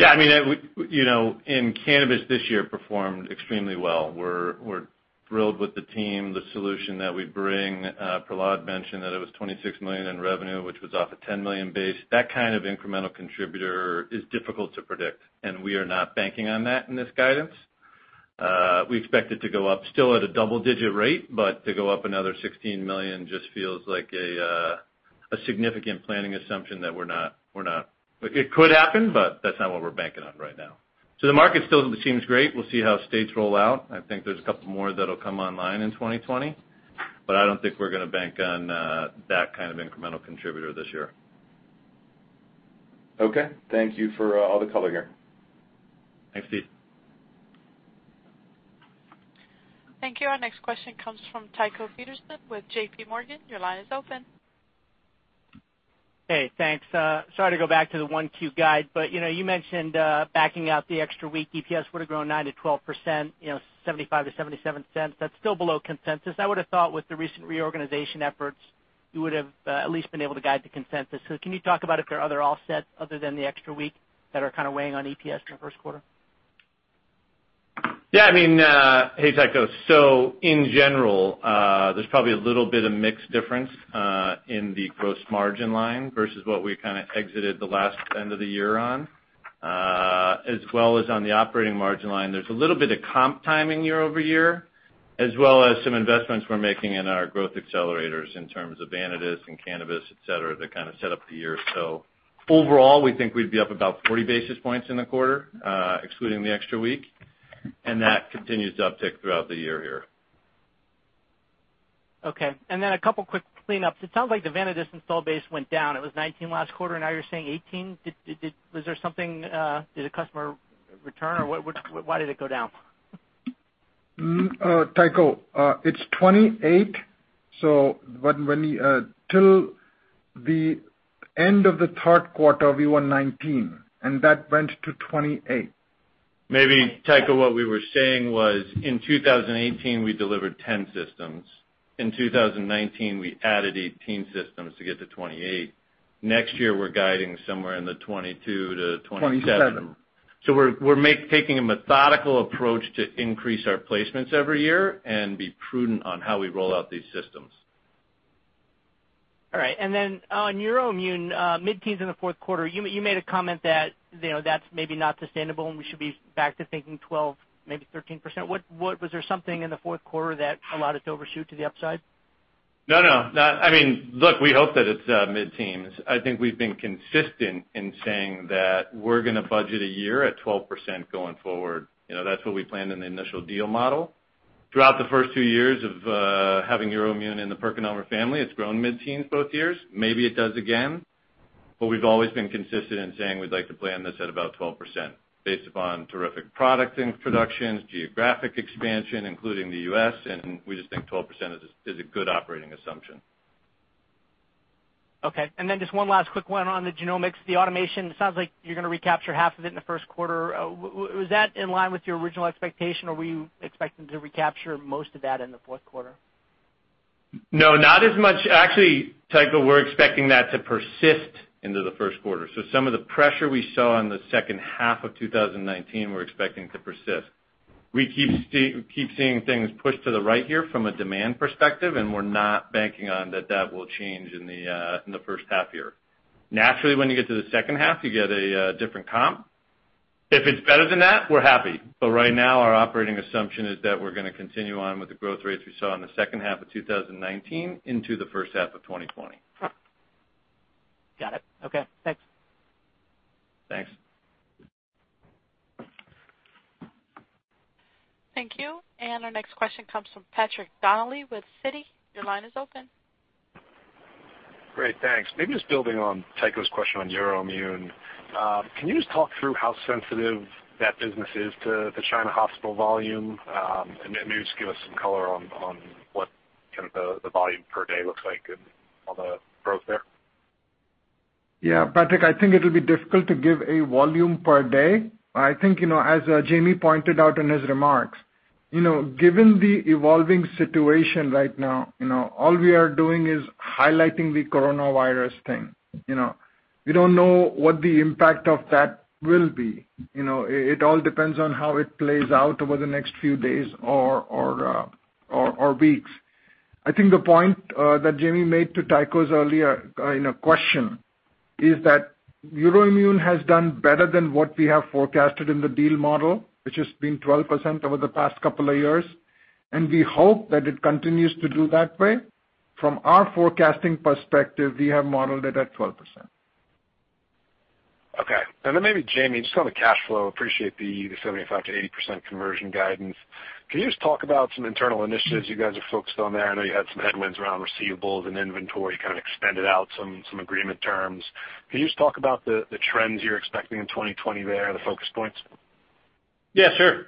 Yeah. In cannabis this year performed extremely well. We're thrilled with the team, the solution that we bring. Prahlad mentioned that it was $26 million in revenue, which was off a $10 million base. That kind of incremental contributor is difficult to predict, and we are not banking on that in this guidance. We expect it to go up still at a double-digit rate, but to go up another $16 million just feels like a significant planning assumption that we're not. It could happen, but that's not what we're banking on right now. The market still seems great. We'll see how states roll out. I think there's a couple more that'll come online in 2020, but I don't think we're going to bank on that kind of incremental contributor this year. Okay. Thank you for all the color here. Thanks, Steve. Thank you. Our next question comes from Tycho Peterson with JPMorgan. Your line is open. Hey, thanks. Sorry to go back to the 1Q guide, you mentioned backing out the extra week, EPS would've grown 9%-12%, $0.75-$0.77. That's still below consensus. I would've thought with the recent reorganization efforts, you would've at least been able to guide the consensus. Can you talk about if there are other offsets other than the extra week that are kind of weighing on EPS in the first quarter? Yeah. Hey, Tycho. In general, there's probably a little bit of mix difference, in the gross margin line versus what we kind of exited the last end of the year on. As well as on the operating margin line. There's a little bit of comp timing year-over-year, as well as some investments we're making in our growth accelerators in terms of Vanadis and cannabis, et cetera, that kind of set up the year. Overall, we think we'd be up about 40 basis points in the quarter, excluding the extra week. That continues to uptick throughout the year here. Okay. A couple quick cleanups. It sounds like the Vanadis install base went down. It was 19 last quarter, now you're saying 18. Did a customer return or why did it go down? Tycho, it's 28. Till the end of the third quarter, we were 19, and that went to 28. Maybe, Tycho, what we were saying was in 2018, we delivered 10 systems. In 2019, we added 18 systems to get to 28. Next year, we're guiding somewhere in the 2022 to 2027. We're taking a methodical approach to increase our placements every year and be prudent on how we roll out these systems. All right. On EUROIMMUN, mid-teens in the fourth quarter, you made a comment that that's maybe not sustainable, and we should be back to thinking 12, maybe 13%. Was there something in the fourth quarter that allowed it to overshoot to the upside? No. Look, we hope that it's mid-teens. I think we've been consistent in saying that we're going to budget a year at 12% going forward. That's what we planned in the initial deal model. Throughout the first two years of having EUROIMMUN in the PerkinElmer family, it's grown mid-teens both years. Maybe it does again. We've always been consistent in saying we'd like to plan this at about 12%, based upon terrific product introductions, geographic expansion, including the U.S., and we just think 12% is a good operating assumption. Okay. Just one last quick one on the genomics, the automation, it sounds like you're going to recapture half of it in the first quarter. Was that in line with your original expectation, or were you expecting to recapture most of that in the fourth quarter? No, not as much. Actually, Tycho, we're expecting that to persist into the first quarter. Some of the pressure we saw in the second half of 2019, we're expecting to persist. We keep seeing things push to the right here from a demand perspective, and we're not banking on that will change in the first half year. Naturally, when you get to the second half, you get a different comp. If it's better than that, we're happy. Right now, our operating assumption is that we're going to continue on with the growth rates we saw in the second half of 2019 into the first half of 2020. Got it. Okay, thanks. Thanks. Thank you. Our next question comes from Patrick Donnelly with Citi. Your line is open. Great. Thanks. Maybe just building on Tycho's question on EUROIMMUN. Can you just talk through how sensitive that business is to the China hospital volume? Maybe just give us some color on what kind of the volume per day looks like and all the growth there. Patrick, it'll be difficult to give a volume per day. As Jamey pointed out in his remarks, given the evolving situation right now, all we are doing is highlighting the coronavirus thing. We don't know what the impact of that will be. It all depends on how it plays out over the next few days or weeks. The point that Jamey made to Tycho's earlier question is that EUROIMMUN has done better than what we have forecasted in the deal model, which has been 12% over the past couple of years, and we hope that it continues to do that way. From our forecasting perspective, we have modeled it at 12%. Okay. Maybe Jamey, just on the cash flow, appreciate the 75%-80% conversion guidance. Can you just talk about some internal initiatives you guys are focused on there? I know you had some headwinds around receivables and inventory, kind of extended out some agreement terms. Can you just talk about the trends you're expecting in 2020 there, the focus points? Yeah, sure.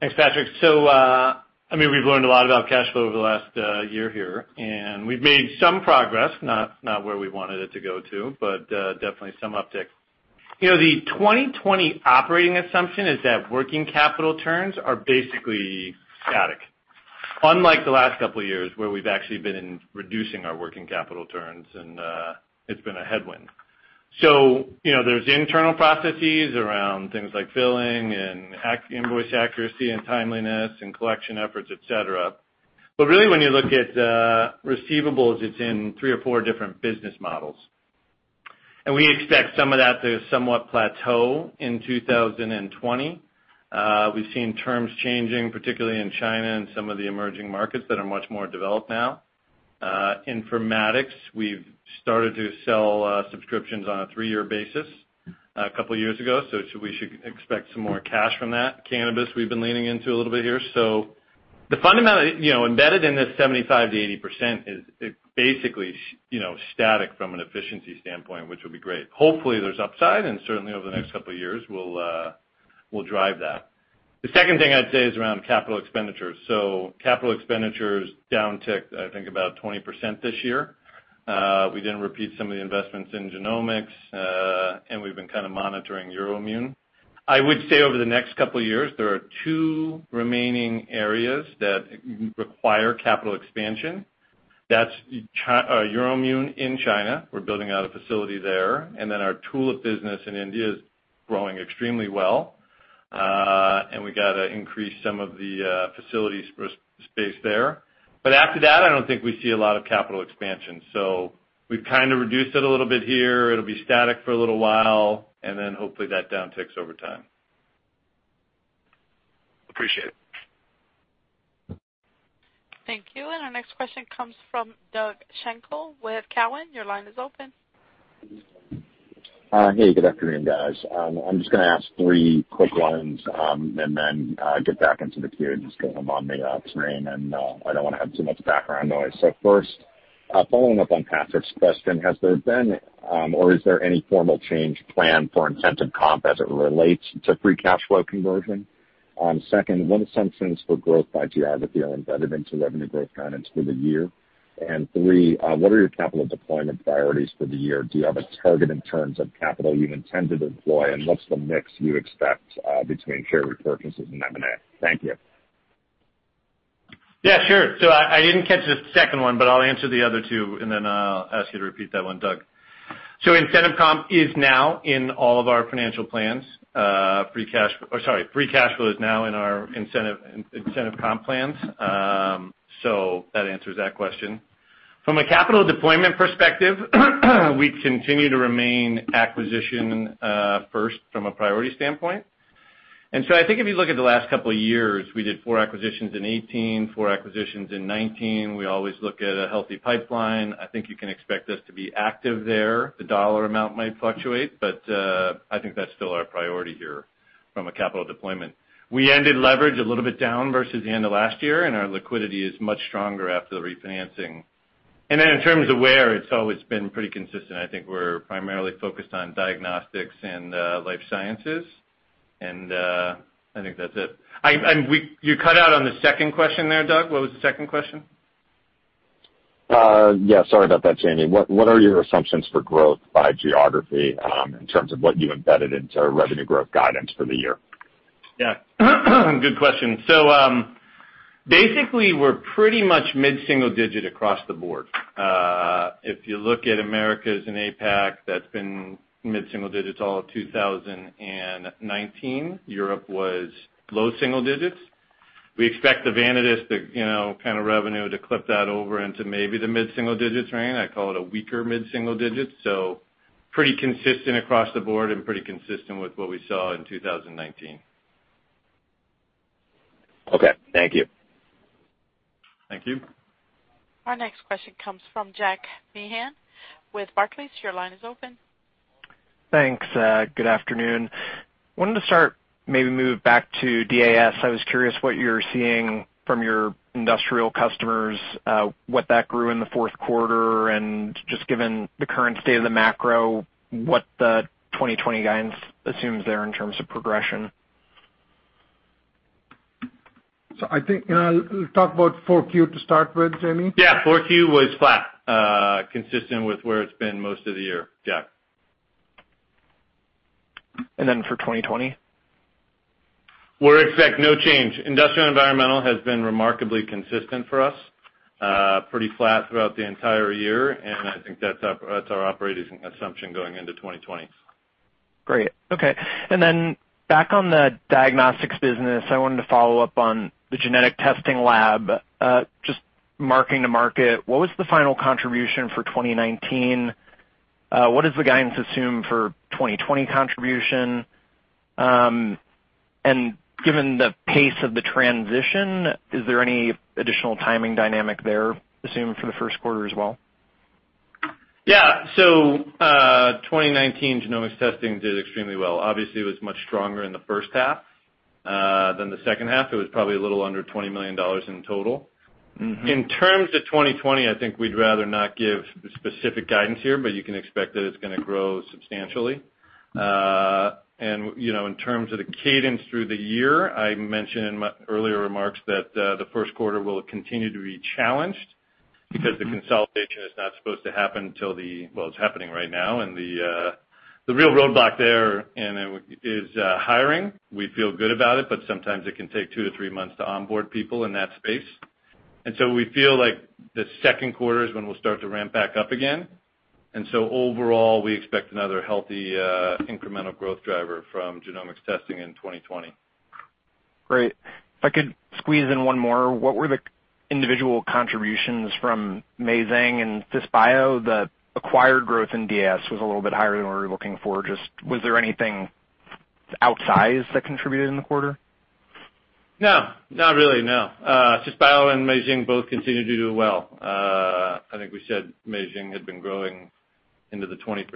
Thanks, Patrick. We've learned a lot about cash flow over the last year here, and we've made some progress. Not where we wanted it to go to, but definitely some uptick. The 2020 operating assumption is that working capital turns are basically static. Unlike the last couple of years where we've actually been reducing our working capital turns and it's been a headwind. There's internal processes around things like billing and invoice accuracy and timeliness and collection efforts, et cetera. Really, when you look at receivables, it's in three or four different business models. We expect some of that to somewhat plateau in 2020. We've seen terms changing, particularly in China and some of the emerging markets that are much more developed now. Informatics, we've started to sell subscriptions on a three-year basis a couple of years ago. We should expect some more cash from that. Cannabis, we've been leaning into a little bit here. The fundamental embedded in this 75%-80% is basically static from an efficiency standpoint, which will be great. Hopefully, there's upside, and certainly over the next couple of years, we'll drive that. The second thing I'd say is around capital expenditures. Capital expenditures downticked, I think, about 20% this year. We didn't repeat some of the investments in genomics. We've been kind of monitoring EUROIMMUN. I would say over the next couple of years, there are two remaining areas that require capital expansion. That's EUROIMMUN in China, we're building out a facility there, and then our Tulip business in India is growing extremely well, and we got to increase some of the facility space there. After that, I don't think we see a lot of capital expansion. We've kind of reduced it a little bit here. It'll be static for a little while, and then hopefully that downticks over time. Appreciate it. Thank you. Our next question comes from Doug Schenkel with Cowen. Your line is open. Hey, good afternoon, guys. I'm just going to ask three quick ones, and then get back into the queue just because I'm on the train, and I don't want to have too much background noise. First, following up on Patrick's question, has there been, or is there any formal change planned for incentive comp as it relates to free cash flow conversion? Second, what assumptions for growth by geography are embedded into revenue growth guidance for the year? Three, what are your capital deployment priorities for the year? Do you have a target in terms of capital you intend to deploy? What's the mix you expect between share repurchases and M&A? Thank you. Yeah, sure. I didn't catch the second one, but I'll answer the other two and then I'll ask you to repeat that one, Doug. Incentive comp is now in all of our financial plans. Free cash flow is now in our incentive comp plans. That answers that question. From a capital deployment perspective, we continue to remain acquisition first from a priority standpoint. I think if you look at the last couple of years, we did four acquisitions in 2018, four acquisitions in 2019. We always look at a healthy pipeline. I think you can expect us to be active there. The dollar amount might fluctuate, but I think that's still our priority here from a capital deployment. We ended leverage a little bit down versus the end of last year, and our liquidity is much stronger after the refinancing. Then in terms of where it's always been pretty consistent, I think we're primarily focused on diagnostics and life sciences. I think that's it. You cut out on the second question there, Doug. What was the second question? Sorry about that, Jamey. What are your assumptions for growth by geography in terms of what you embedded into revenue growth guidance for the year? Yeah. Good question. Basically, we're pretty much mid-single digit across the board. If you look at Americas and APAC, that's been mid-single digits all of 2019. Europe was low single digits. We expect the Vanadis revenue to clip that over into maybe the mid-single digits range. I call it a weaker mid-single digits, pretty consistent across the board and pretty consistent with what we saw in 2019. Okay. Thank you. Thank you. Our next question comes from Jack Meehan with Barclays. Your line is open. Thanks. Good afternoon. Wanted to start, maybe move back to DAS. I was curious what you're seeing from your industrial customers, what that grew in the fourth quarter, and just given the current state of the macro, what the 2020 guidance assumes there in terms of progression. I think talk about 4Q to start with, Jamey? Yeah. 4Q was flat, consistent with where it's been most of the year, Jack. Then for 2020? We expect no change. Industrial Environmental has been remarkably consistent for us. Pretty flat throughout the entire year, I think that's our operating assumption going into 2020. Great. Okay. Back on the diagnostics business, I wanted to follow up on the genetic testing lab. Just marking the market, what was the final contribution for 2019? What does the guidance assume for 2020 contribution? Given the pace of the transition, is there any additional timing dynamic there assumed for the first quarter as well? Yeah. 2019 genomics testing did extremely well. Obviously it was much stronger in the first half than the second half. It was probably a little under $20 million in total. In terms of 2020, I think we'd rather not give specific guidance here, but you can expect that it's going to grow substantially. In terms of the cadence through the year, I mentioned in my earlier remarks that the first quarter will continue to be challenged because the consolidation is not supposed to happen right now. The real roadblock there is hiring. We feel good about it, but sometimes it can take two to three months to onboard people in that space. We feel like the second quarter is when we'll start to ramp back up again. Overall, we expect another healthy incremental growth driver from genomics testing in 2020. Great. If I could squeeze in one more, what were the individual contributions from Meizheng and Cisbio? The acquired growth in DAS was a little bit higher than what we were looking for. Was there anything outsized that contributed in the quarter? No, not really, no. Cisbio and Meizheng both continue to do well. I think we said Meizheng had been growing into the 20%+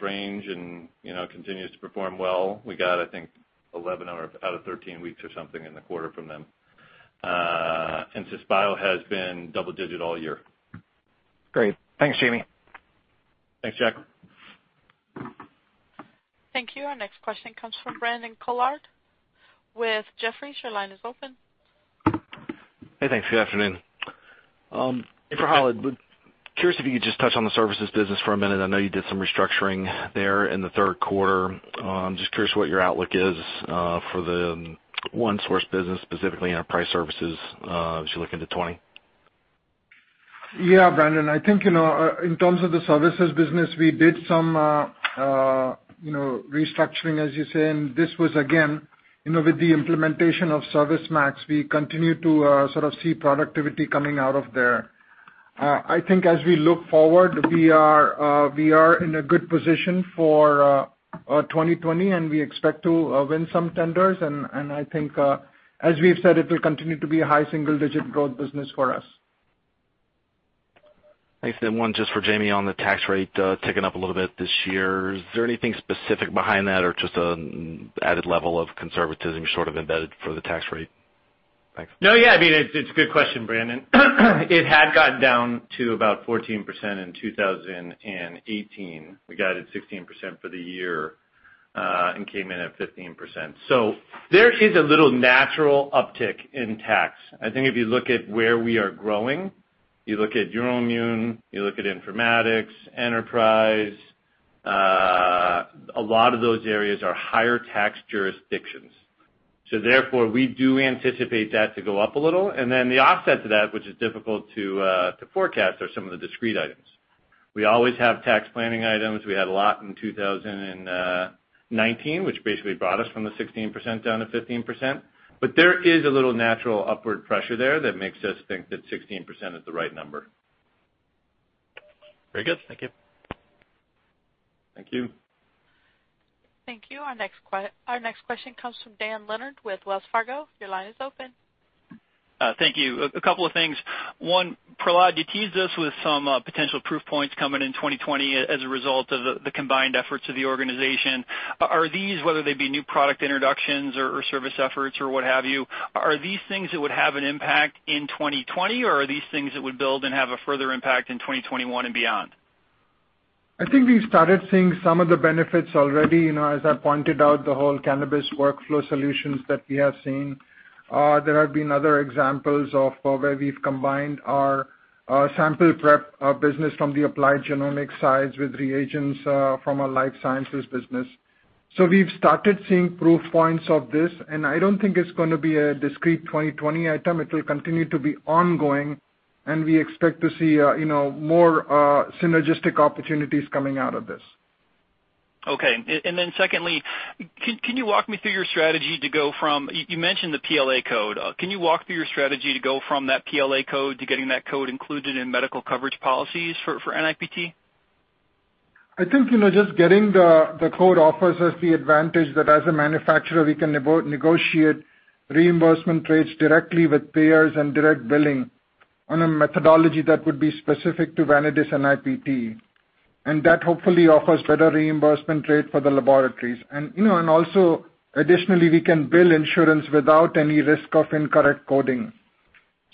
range and continues to perform well. We got, I think, 11 out of 13 weeks or something in the quarter from them. Cisbio has been double digit all year. Great. Thanks, Jamey. Thanks, Jack. Thank you. Our next question comes from Brandon Couillard with Jefferies. Your line is open. Hey, thanks. Good afternoon. For Prahlad, curious if you could just touch on the services business for a minute. I know you did some restructuring there in the third quarter. I'm just curious what your outlook is for the OneSource business, specifically Enterprise Services, as you look into 2020. Yeah, Brandon, I think, in terms of the services business, we did some restructuring, as you say. This was again, with the implementation of ServiceMax, we continue to sort of see productivity coming out of there. I think as we look forward, we are in a good position for 2020, and we expect to win some tenders, and I think, as we've said it will continue to be a high single-digit growth business for us. Thanks. One just for Jamey on the tax rate ticking up a little bit this year. Is there anything specific behind that or just an added level of conservatism sort of embedded for the tax rate? Thanks. No, yeah, it's a good question, Brandon. It had gotten down to about 14% in 2018. We guided 16% for the year, and came in at 15%. There is a little natural uptick in tax. I think if you look at where we are growing, you look at EUROIMMUN, you look at informatics, enterprise, a lot of those areas are higher tax jurisdictions. Therefore, we do anticipate that to go up a little. The offset to that, which is difficult to forecast, are some of the discrete items. We always have tax planning items. We had a lot in 2019, which basically brought us from the 16% down to 15%. There is a little natural upward pressure there that makes us think that 16% is the right number. Very good. Thank you. Thank you. Thank you. Our next question comes from Dan Leonard with Wells Fargo. Your line is open. Thank you. A couple of things. One, Prahlad, you teased us with some potential proof points coming in 2020 as a result of the combined efforts of the organization. Are these, whether they be new product introductions or service efforts or what have you, are these things that would have an impact in 2020, or are these things that would build and have a further impact in 2021 and beyond? I think we've started seeing some of the benefits already. As I pointed out, the whole cannabis workflow solutions that we have seen. There have been other examples of where we've combined our sample prep business from the applied genomics side with reagents from our life sciences business. We've started seeing proof points of this, and I don't think it's going to be a discrete 2020 item. It will continue to be ongoing, and we expect to see more synergistic opportunities coming out of this. Okay. Secondly, you mentioned the PLA code. Can you walk through your strategy to go from that PLA code to getting that code included in medical coverage policies for NIPT? I think, just getting the code offers us the advantage that as a manufacturer, we can negotiate reimbursement rates directly with payers and direct billing on a methodology that would be specific to Vanadis NIPT. That hopefully offers better reimbursement rate for the laboratories. Also, additionally, we can bill insurance without any risk of incorrect coding.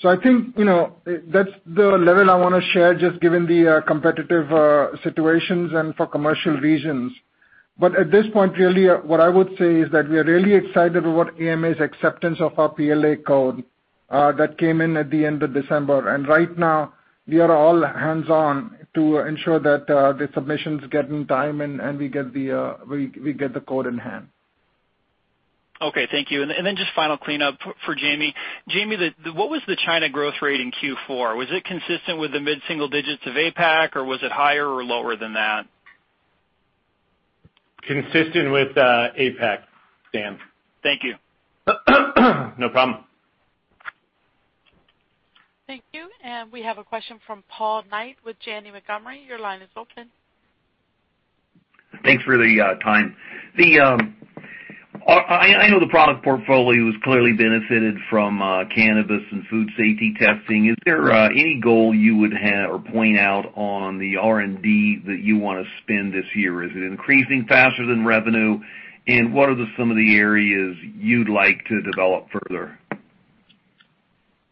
I think, that's the level I want to share, just given the competitive situations and for commercial reasons. At this point, really, what I would say is that we are really excited about AMA's acceptance of our PLA code that came in at the end of December. Right now, we are all hands-on to ensure that the submissions get in time and we get the code in hand. Okay. Thank you. Just final cleanup for Jamey. Jamey, what was the China growth rate in Q4? Was it consistent with the mid single digits of APAC, or was it higher or lower than that? Consistent with, APAC, Dan. Thank you. No problem. Thank you. We have a question from Paul Knight with Janney Montgomery. Your line is open. Thanks for the time. I know the product portfolio has clearly benefited from cannabis and food safety testing. Is there any goal you would have or point out on the R&D that you want to spend this year? Is it increasing faster than revenue? What are some of the areas you'd like to develop further?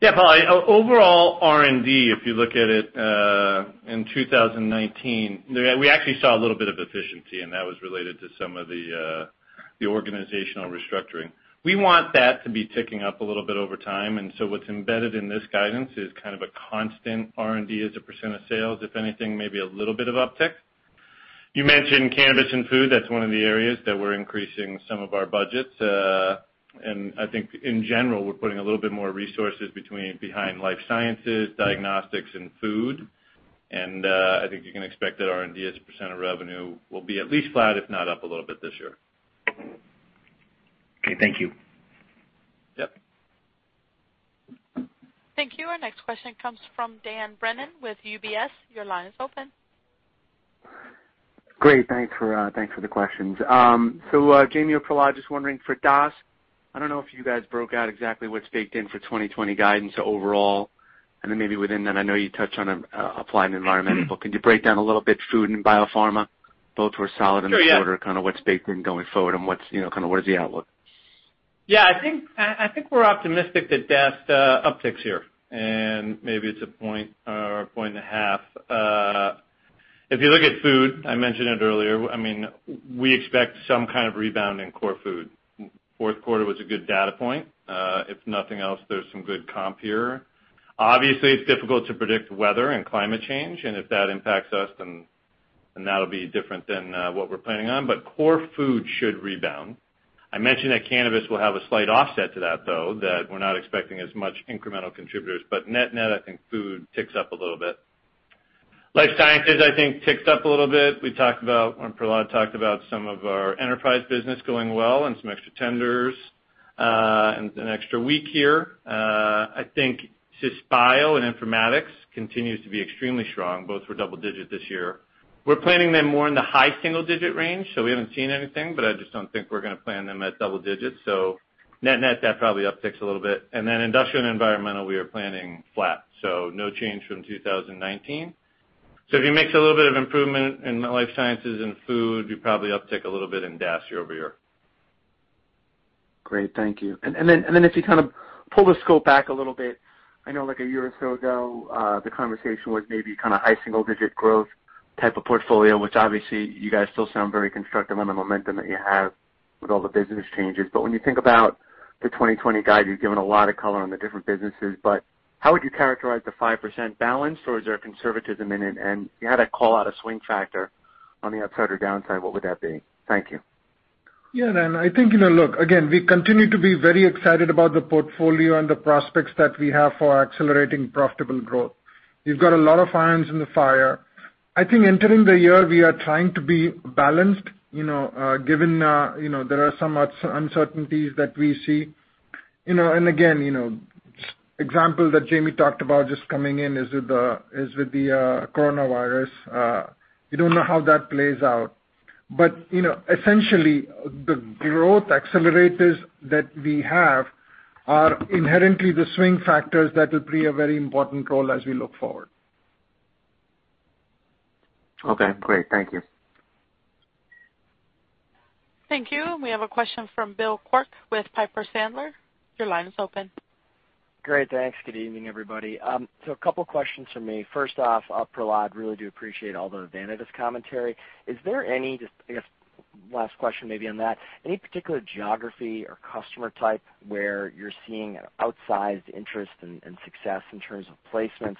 Yeah, Paul, overall R&D, if you look at it, in 2019, we actually saw a little bit of efficiency. That was related to some of the organizational restructuring. We want that to be ticking up a little bit over time. What's embedded in this guidance is a constant R&D as a percentage of sales. If anything, maybe a little bit of uptick. You mentioned cannabis and food. That's one of the areas that we're increasing some of our budgets. I think in general, we're putting a little bit more resources behind life sciences, diagnostics, and food. I think you can expect that R&D as a percent of revenue will be at least flat, if not up a little bit this year. Okay, thank you. Yep. Thank you. Our next question comes from Dan Brennan with UBS. Your line is open. Great. Thanks for the questions. Jamey, or Prahlad, just wondering for DAS, I don't know if you guys broke out exactly what's baked in for 2020 guidance overall, and then maybe within that, I know you touched on Applied Environmental, but could you break down a little bit Food and Biopharma, both for solid and. Sure, yeah. Kind of what's baked in going forward and what is the outlook? Yeah, I think we're optimistic that DAS upticks here, and maybe it's a point or a point and a half. If you look at Food, I mentioned it earlier, we expect some kind of rebound in core Food. Fourth quarter was a good data point. If nothing else, there's some good comp here. Obviously, it's difficult to predict weather and climate change. If that impacts us, that'll be different than what we're planning on. Core Food should rebound. I mentioned that cannabis will have a slight offset to that, though, that we're not expecting as much incremental contributors. Net, I think Food ticks up a little bit. Life sciences, I think ticks up a little bit. Prahlad talked about some of our enterprise business going well and some extra tenders, an extra week here. I think Cisbio and Informatics continues to be extremely strong, both were double-digit this year. We're planning them more in the high single-digit range, so we haven't seen anything, but I just don't think we're going to plan them at double-digits. Net, that probably upticks a little bit. Industrial and environmental, we are planning flat, so no change from 2019. If you mix a little bit of improvement in life sciences and food, we probably uptick a little bit in DAS year-over-year. Great. Thank you. Then if you kind of pull the scope back a little bit, I know like one year or so ago, the conversation was maybe kind of high single-digit growth type of portfolio, which obviously you guys still sound very constructive on the momentum that you have with all the business changes. When you think about the 2020 guide, you've given a lot of color on the different businesses, how would you characterize the 5% balance? Is there a conservatism in it? If you had to call out a swing factor on the upside or downside, what would that be? Thank you. Yeah, I think, look, again, we continue to be very excited about the portfolio and the prospects that we have for accelerating profitable growth. We've got a lot of irons in the fire. I think entering the year, we are trying to be balanced given there are some uncertainties that we see. Again, example that Jamey talked about just coming in is with the coronavirus. We don't know how that plays out. Essentially, the growth accelerators that we have are inherently the swing factors that will play a very important role as we look forward. Okay, great. Thank you. Thank you. We have a question from Bill Quirk with Piper Sandler. Your line is open. Great. Thanks. Good evening, everybody. A couple questions from me. First off, Prahlad, really do appreciate all the Vanadis commentary. I guess last question maybe on that. Any particular geography or customer type where you're seeing an outsized interest and success in terms of placements?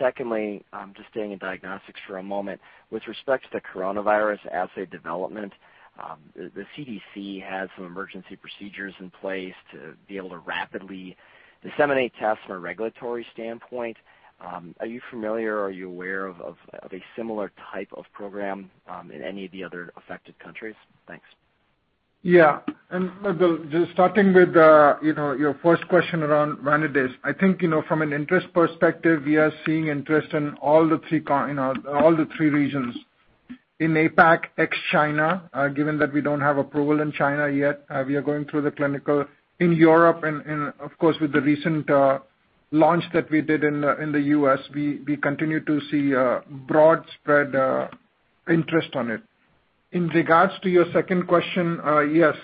Secondly, just staying in diagnostics for a moment, with respect to coronavirus assay development, the CDC has some emergency procedures in place to be able to rapidly disseminate tests from a regulatory standpoint. Are you familiar or are you aware of a similar type of program in any of the other affected countries? Thanks. Yeah. Bill, just starting with your first question around Vanadis. I think from an interest perspective, we are seeing interest in all the three regions. In APAC, ex-China, given that we don't have approval in China yet, we are going through the clinical in Europe, and of course, with the recent launch that we did in the U.S., we continue to see broad spread interest on it. In regards to your second question, yes,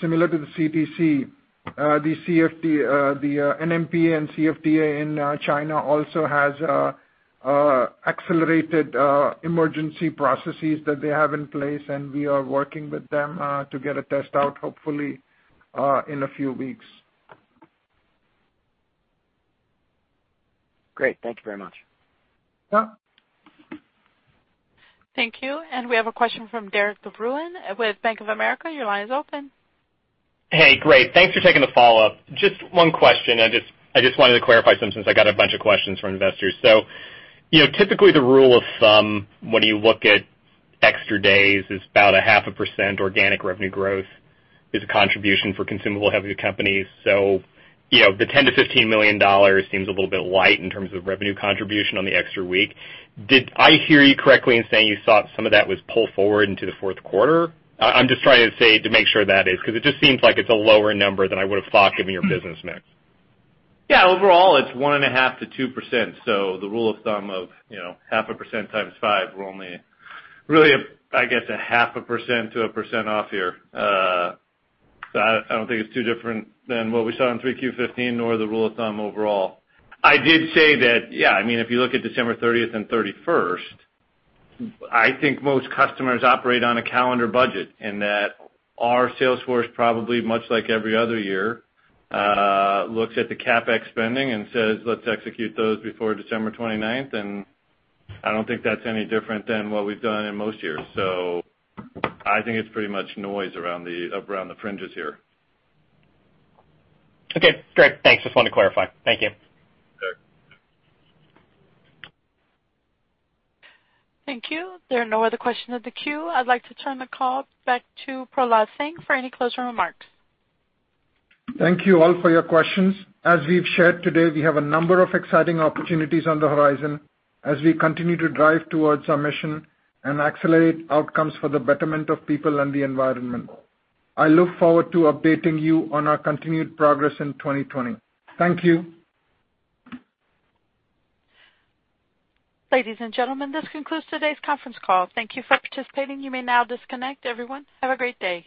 similar to the CDC, the NMPA and CFDA in China also has accelerated emergency processes that they have in place, and we are working with them to get a test out, hopefully, in a few weeks. Great. Thank you very much. Yeah. Thank you. We have a question from Derik de Bruin with Bank of America. Your line is open. Hey, great. Thanks for taking the follow-up. Just one question. I just wanted to clarify something, since I got a bunch of questions from investors. Typically the rule of thumb when you look at extra days is about a half a percent organic revenue growth is a contribution for consumable heavy companies. The $10 million-$15 million seems a little bit light in terms of revenue contribution on the extra week. Did I hear you correctly in saying you thought some of that was pulled forward into the fourth quarter? I'm just trying to make sure of that, because it just seems like it's a lower number than I would've thought given your business mix. Yeah, overall, it's 1.5%-2%. The rule of thumb of 0.5% x 5, we're only really, I guess, a 0.5%-1% off here. I don't think it's too different than what we saw in 3Q15 nor the rule of thumb overall. I did say that, yeah, if you look at December 30th and 31st, I think most customers operate on a calendar budget, and that our sales force probably much like every other year, looks at the CapEx spending and says, "Let's execute those before December 29th," and I don't think that's any different than what we've done in most years. I think it's pretty much noise around the fringes here. Okay, great. Thanks. Just wanted to clarify. Thank you. Sure. Thank you. There are no other questions in the queue. I'd like to turn the call back to Prahlad Singh for any closing remarks. Thank you all for your questions. As we've shared today, we have a number of exciting opportunities on the horizon as we continue to drive towards our mission and accelerate outcomes for the betterment of people and the environment. I look forward to updating you on our continued progress in 2020. Thank you. Ladies and gentlemen, this concludes today's conference call. Thank you for participating. You may now disconnect. Everyone, have a great day.